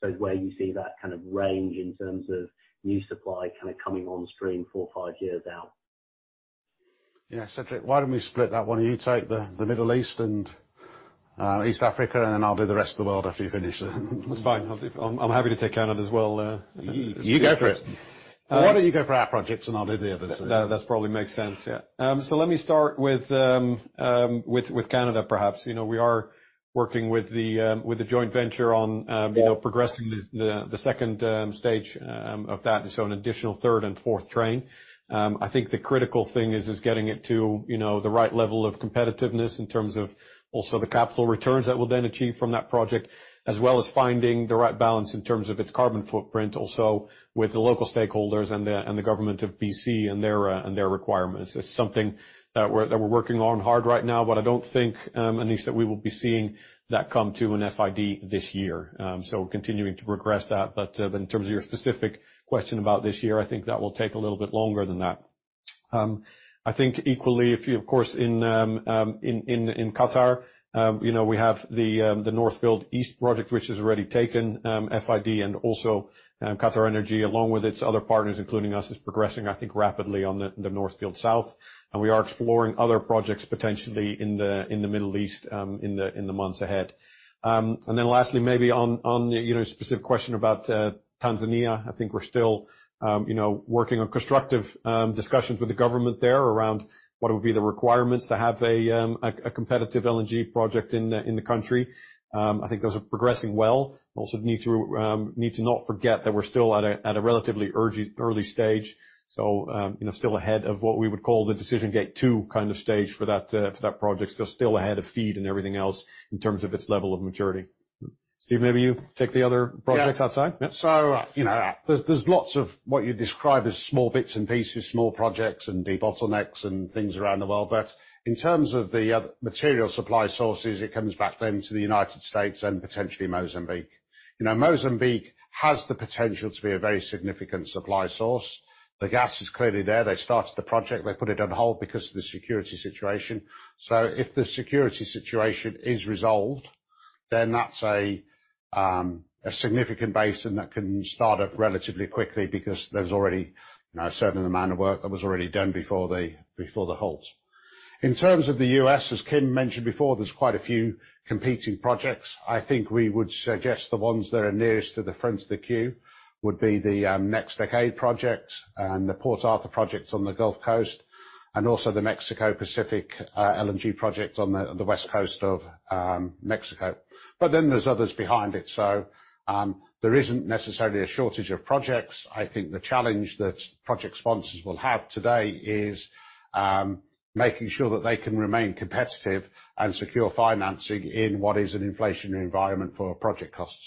suppose where you see that kind of range in terms of new supply kinda coming on stream four or five years out. Yeah. Cederic, why don't we split that one, and you take the Middle East and East Africa, and then I'll do the rest of the world after you finish. That's fine. I'm happy to take Canada as well. You go for it. Uh- Why don't you go for our projects, and I'll do the others? No, that probably makes sense. Yeah. Let me start with Canada perhaps. You know, we are working with the joint venture on- Yeah... you know, progressing this, the second stage, of that, and so an additional third and fourth train. I think the critical thing is getting it to, you know, the right level of competitiveness in terms of also the capital returns that we'll then achieve from that project, as well as finding the right balance in terms of its carbon footprint also with the local stakeholders and the government of BC and their requirements. It's something that we're working on hard right now. I don't think, Anish, that we will be seeing that come to an FID this year. Continuing to progress that. In terms of your specific question about this year, I think that will take a little bit longer than that. I think equally if you... Of course, in Qatar, you know, we have the North Field East project, which has already taken FID. Also, QatarEnergy, along with its other partners, including us, is progressing, I think, rapidly on the North Field South. We are exploring other projects potentially in the Middle East, in the months ahead. Lastly, maybe on, you know, a specific question about Tanzania. I think we're still, you know, working on constructive discussions with the government there around what would be the requirements to have a competitive LNG project in the country. I think those are progressing well. Need to not forget that we're still at a relatively early stage, so, you know, still ahead of what we would call the Decision Gate 2 kind of stage for that for that project. Still ahead of FEED and everything else in terms of its level of maturity. Steve, maybe you take the other projects outside. Yeah. Yeah. You know, there's lots of what you describe as small bits and pieces, small projects and debottlenecks and things around the world. In terms of the material supply sources, it comes back then to the United States and potentially Mozambique. You know, Mozambique has the potential to be a very significant supply source. The gas is clearly there. They started the project. They put it on hold because of the security situation. If the security situation is resolved, then that's a significant basin that can start up relatively quickly because there's already, you know, a certain amount of work that was already done before the halt. In terms of the U.S., as Kim mentioned before, there's quite a few competing projects. I think we would suggest the ones that are nearest to the front of the queue would be the NextDecade project and the Port Arthur project on the Gulf Coast and also the Mexico Pacific LNG project on the West Coast of Mexico. There's others behind it. There isn't necessarily a shortage of projects. I think the challenge that project sponsors will have today is making sure that they can remain competitive and secure financing in what is an inflationary environment for project costs.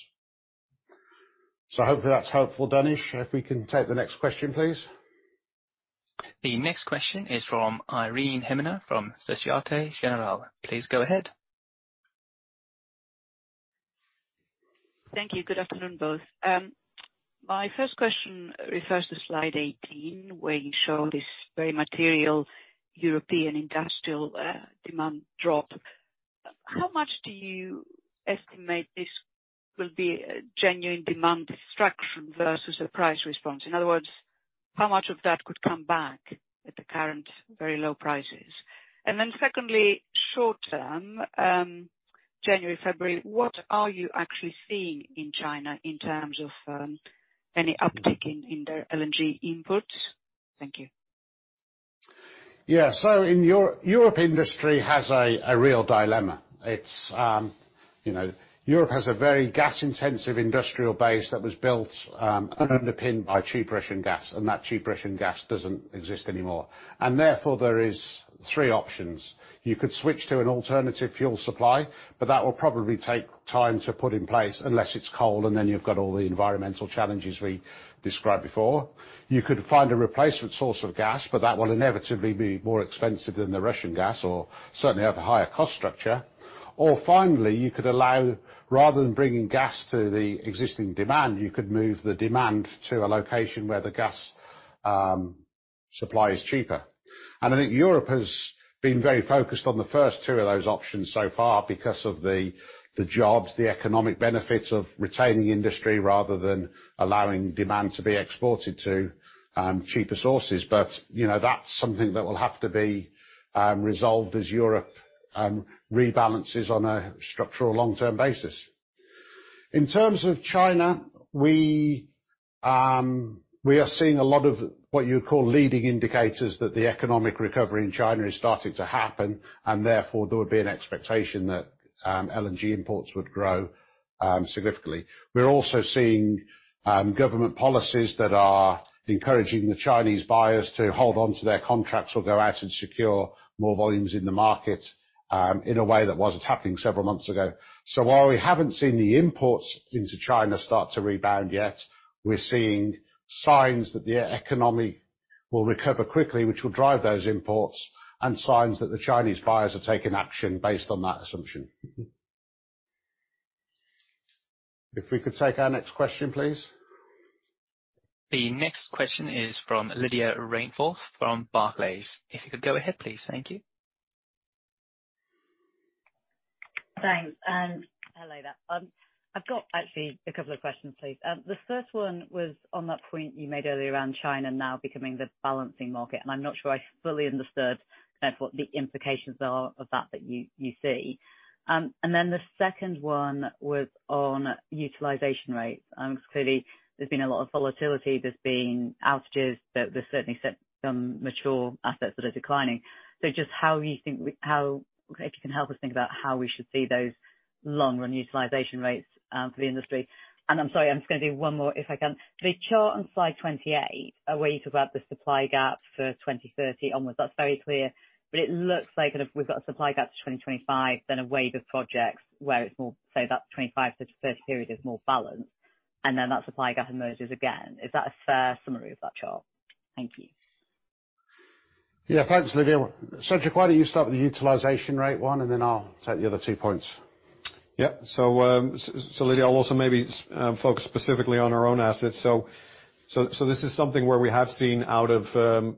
Hopefully that's helpful, Anish Kapadia. If we can take the next question, please. The next question is from Irene Himona from Société Générale. Please go ahead. Thank you. Good afternoon, both. My first question refers to slide 18, where you show this very material European industrial demand drop. How much do you estimate this will be a genuine demand destruction versus a price response? In other words, how much of that could come back at the current very low prices? Then secondly, short term, January, February, what are you actually seeing in China in terms of any uptick in their LNG inputs? Thank you. Yeah. In Europe, industry has a real dilemma. It's, you know, Europe has a very gas-intensive industrial base that was built and underpinned by cheap Russian gas, and that cheap Russian gas doesn't exist anymore. Therefore, there is three options. You could switch to an alternative fuel supply, but that will probably take time to put in place unless it's coal, and then you've got all the environmental challenges we described before. You could find a replacement source of gas, but that will inevitably be more expensive than the Russian gas or certainly have a higher cost structure. Finally, you could allow, rather than bringing gas to the existing demand, you could move the demand to a location where the gas supply is cheaper. I think Europe has been very focused on the first two of those options so far because of the jobs, the economic benefits of retaining industry rather than allowing demand to be exported to cheaper sources. You know, that's something that will have to be resolved as Europe rebalances on a structural long-term basis. In terms of China, we are seeing a lot of what you call leading indicators that the economic recovery in China is starting to happen, and therefore, there would be an expectation that LNG imports would grow significantly. We're also seeing government policies that are encouraging the Chinese buyers to hold on to their contracts or go out and secure more volumes in the market in a way that wasn't happening several months ago. While we haven't seen the imports into China start to rebound yet, we're seeing signs that the economy will recover quickly, which will drive those imports, and signs that the Chinese buyers are taking action based on that assumption. If we could take our next question, please. The next question is from Lydia Rainforth from Barclays. If you could go ahead, please. Thank you. Thanks. Hello there. I've got actually a couple of questions, please. The first one was on that point you made earlier around China now becoming the balancing market, and I'm not sure I fully understood kind of what the implications are of that that you see. The second one was on utilization rates. 'Cause clearly there's been a lot of volatility, there's been outages, but there's certainly some mature assets that are declining. So if you can help us think about how we should see those long-run utilization rates for the industry. I'm sorry, I'm just gonna do one more if I can. The chart on slide 28, where you talk about the supply gap for 2030 onwards, that's very clear. It looks like kind of we've got a supply gap to 2025, then a wave of projects where it's more, say that 2025-2030 period is more balanced, and then that supply gap emerges again. Is that a fair summary of that chart? Thank you. Yeah. Thanks, Lydia. Cedric, why don't you start with the utilization rate one, and then I'll take the other two points. Yeah. So Lydia, I'll also maybe focus specifically on our own assets. So this is something where we have seen out of,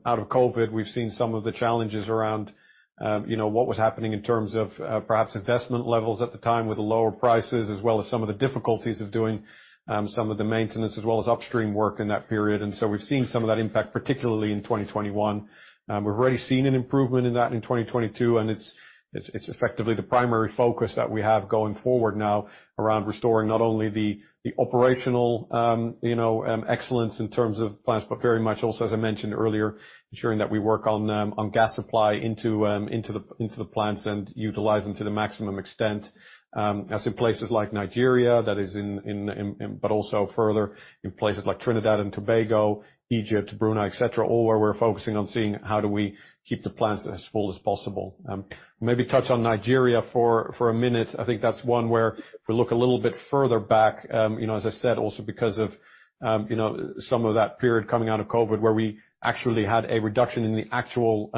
out of COVID, we've seen some of the challenges around, you know, what was happening in terms of, perhaps investment levels at the time with the lower prices, as well as some of the difficulties of doing, some of the maintenance, as well as upstream work in that period. We've seen some of that impact, particularly in 2021. We've already seen an improvement in that in 2022. It's effectively the primary focus that we have going forward now around restoring not only the operational, you know, excellence in terms of plants, but very much also, as I mentioned earlier, ensuring that we work on gas supply into the plants and utilize them to the maximum extent, as in places like Nigeria, that is in... Also further in places like Trinidad and Tobago, Egypt, Brunei, et cetera, all where we're focusing on seeing how do we keep the plants as full as possible. Maybe touch on Nigeria for a minute. I think that's one where if we look a little bit further back, as I said, also because of some of that period coming out of COVID where we actually had a reduction in the actual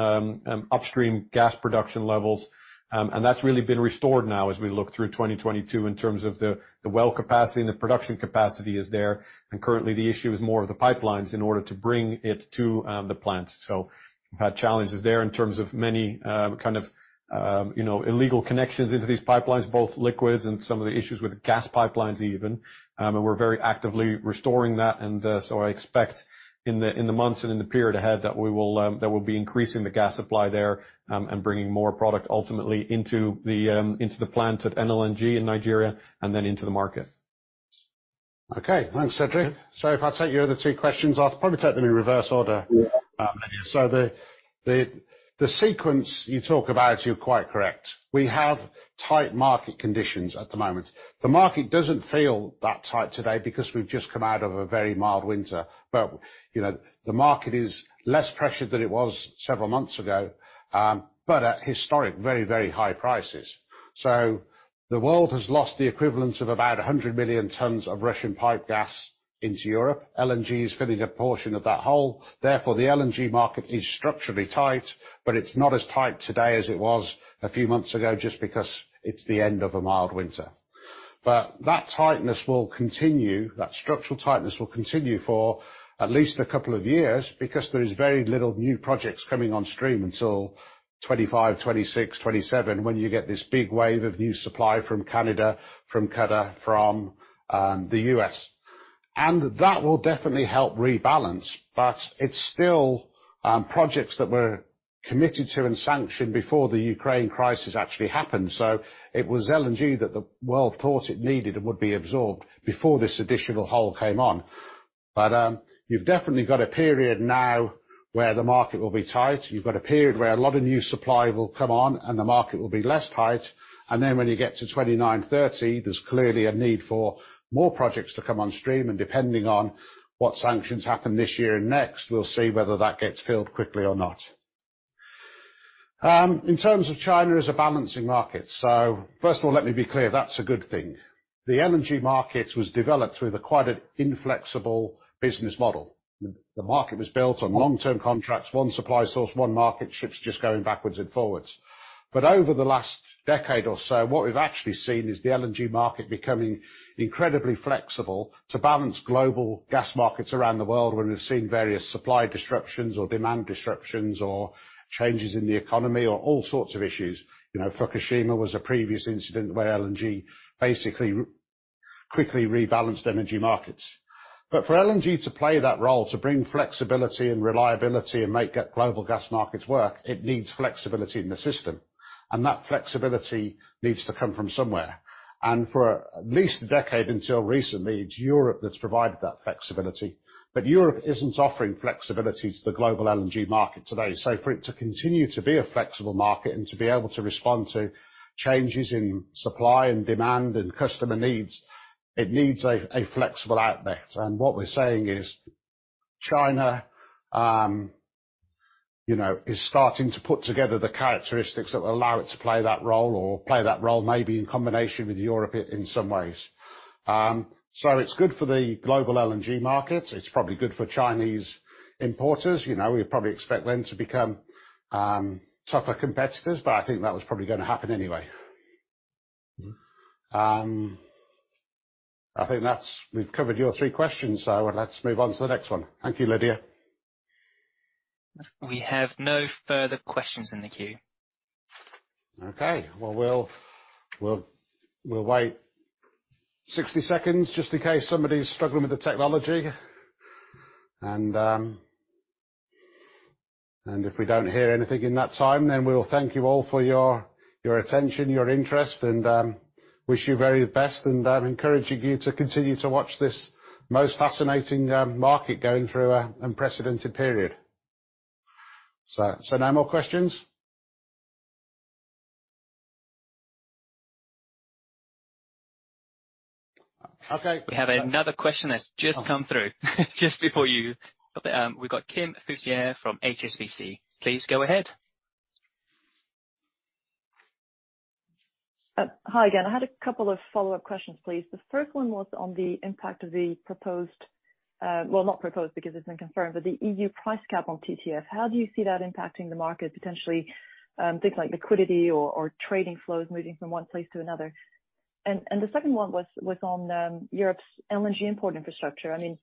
upstream gas production levels. That's really been restored now as we look through 2022 in terms of the well capacity and the production capacity is there. Currently, the issue is more of the pipelines in order to bring it to the plant. We've had challenges there in terms of many illegal connections into these pipelines, both liquids and some of the issues with gas pipelines even. We're very actively restoring that. I expect in the months and in the period ahead that we will that we'll be increasing the gas supply there and bringing more product ultimately into the plant at NLNG in Nigeria and then into the market. Okay. Thanks, Cedric. If I take your other two questions, I'll probably take them in reverse order. Yeah. Lydia. The sequence you talk about, you're quite correct. We have tight market conditions at the moment. The market doesn't feel that tight today because we've just come out of a very mild winter. You know, the market is less pressured than it was several months ago, but at historic, very, very high prices. The world has lost the equivalent of about 100 million tons of Russian pipe gas into Europe. LNG is filling a portion of that hole, therefore the LNG market is structurally tight, but it's not as tight today as it was a few months ago just because it's the end of a mild winter. That tightness will continue, that structural tightness will continue for at least a couple of years because there is very little new projects coming on stream until 2025, 2026, 2027 when you get this big wave of new supply from Canada, from Qatar, from the U.S. That will definitely help rebalance, but it's still projects that were committed to and sanctioned before the Ukraine crisis actually happened. It was LNG that the world thought it needed and would be absorbed before this additional hole came on. You've definitely got a period now where the market will be tight. You've got a period where a lot of new supply will come on, and the market will be less tight. When you get to 2029 2030, there's clearly a need for more projects to come on stream, and depending on what sanctions happen this year and next, we'll see whether that gets filled quickly or not. In terms of China as a balancing market. First of all, let me be clear, that's a good thing. The LNG market was developed with a quite an inflexible business model. The market was built on long-term contracts, one supply source, one market, ships just going backwards and forwards. Over the last decade or so, what we've actually seen is the LNG market becoming incredibly flexible to balance global gas markets around the world when we've seen various supply disruptions or demand disruptions or changes in the economy or all sorts of issues. You know, Fukushima was a previous incident where LNG basically quickly rebalanced energy markets. For LNG to play that role, to bring flexibility and reliability and make global gas markets work, it needs flexibility in the system, and that flexibility needs to come from somewhere. For at least a decade, until recently, it's Europe that's provided that flexibility. Europe isn't offering flexibility to the global LNG market today. For it to continue to be a flexible market and to be able to respond to changes in supply and demand and customer needs, it needs a flexible outlet. What we're saying is China, you know, is starting to put together the characteristics that will allow it to play that role or play that role maybe in combination with Europe in some ways. It's good for the global LNG market. It's probably good for Chinese importers. You know, we probably expect them to become tougher competitors. I think that was probably gonna happen anyway. I think we've covered your three questions. Let's move on to the next one. Thank you, Lydia. We have no further questions in the queue. Okay. Well, we'll wait 60 seconds just in case somebody's struggling with the technology. If we don't hear anything in that time, then we will thank you all for your attention, your interest, wish you very best and encouraging you to continue to watch this most fascinating market going through an unprecedented period. No more questions? Okay. We have another question that's just come through just before you. We've got Kim Fustier from HSBC. Please go ahead. Hi again. I had two follow-up questions, please. The first one was on the impact of the proposed, well, not proposed because it's been confirmed, but the EU price cap on TTF. How do you see that impacting the market, potentially, things like liquidity or trading flows moving from one place to another? The second one was on Europe's LNG import infrastructure. I mean,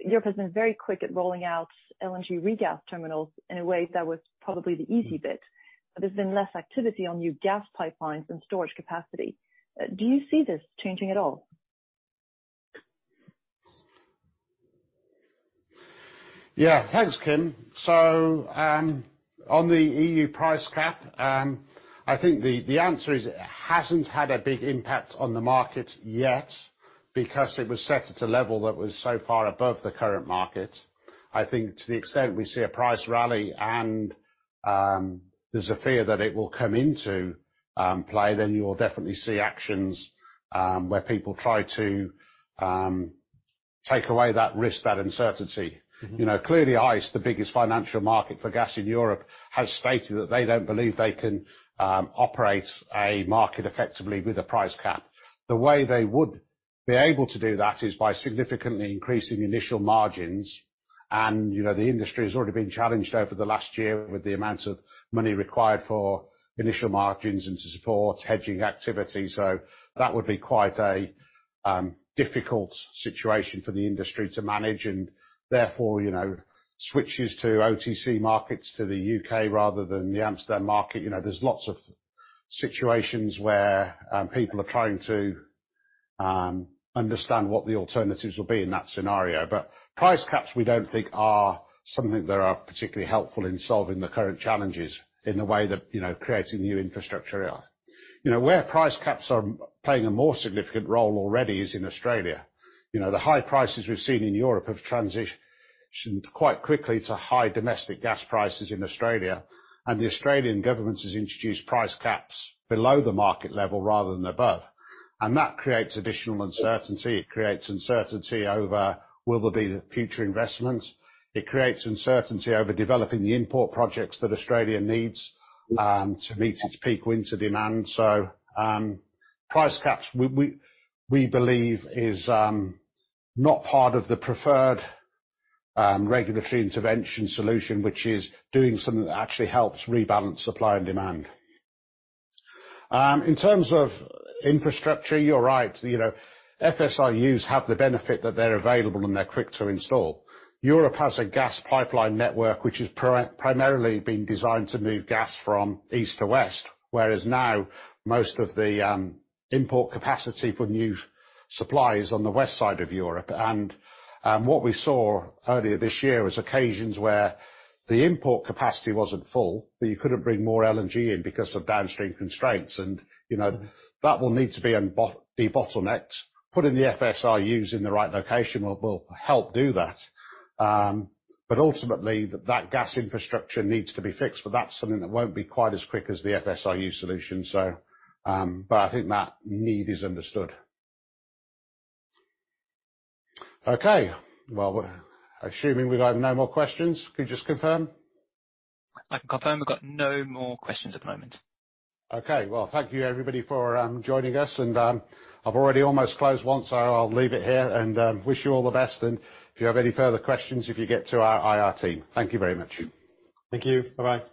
Europe has been very quick at rolling out LNG regas terminals. In a way, that was probably the easy bit. There's been less activity on new gas pipelines and storage capacity. Do you see this changing at all? Yeah. Thanks, Kim. On the EU price cap, I think the answer is it hasn't had a big impact on the market yet because it was set at a level that was so far above the current market. I think to the extent we see a price rally and, there's a fear that it will come into play, then you will definitely see actions, where people try to take away that risk, that uncertainty. Mm-hmm. You know, clearly, ICE, the biggest financial market for gas in Europe, has stated that they don't believe they can operate a market effectively with a price cap. The way they would be able to do that is by significantly increasing initial margins. You know, the industry has already been challenged over the last year with the amount of money required for initial margins and to support hedging activity. That would be quite a difficult situation for the industry to manage and therefore, you know, switches to OTC markets to the U.K. rather than the Amsterdam market. You know, there's lots of situations where people are trying to understand what the alternatives will be in that scenario. Price caps, we don't think are something that are particularly helpful in solving the current challenges in the way that, you know, creating new infrastructure are. You know, where price caps are playing a more significant role already is in Australia. You know, the high prices we've seen in Europe have transitioned quite quickly to high domestic gas prices in Australia. The Australian government has introduced price caps below the market level rather than above. That creates additional uncertainty. It creates uncertainty over will there be the future investment. It creates uncertainty over developing the import projects that Australia needs to meet its peak winter demand. Price caps, we believe is not part of the preferred regulatory intervention solution, which is doing something that actually helps rebalance supply and demand. In terms of infrastructure, you're right. You know, FSRUs have the benefit that they're available and they're quick to install. Europe has a gas pipeline network, which is primarily been designed to move gas from east to west, whereas now most of the import capacity for new supply is on the west side of Europe. What we saw earlier this year was occasions where the import capacity wasn't full, but you couldn't bring more LNG in because of downstream constraints. You know, that will need to be debottlenecked. Putting the FSRUs in the right location will help do that. Ultimately, that gas infrastructure needs to be fixed, but that's something that won't be quite as quick as the FSRU solution, I think that need is understood. Okay, well, assuming we have no more questions. Could you just confirm? I can confirm we've got no more questions at the moment. Okay. Well, thank you, everybody, for joining us. I've already almost closed once, so I'll leave it here and wish you all the best. If you have any further questions, if you get to our IRA team. Thank you very much. Thank you. Bye-bye.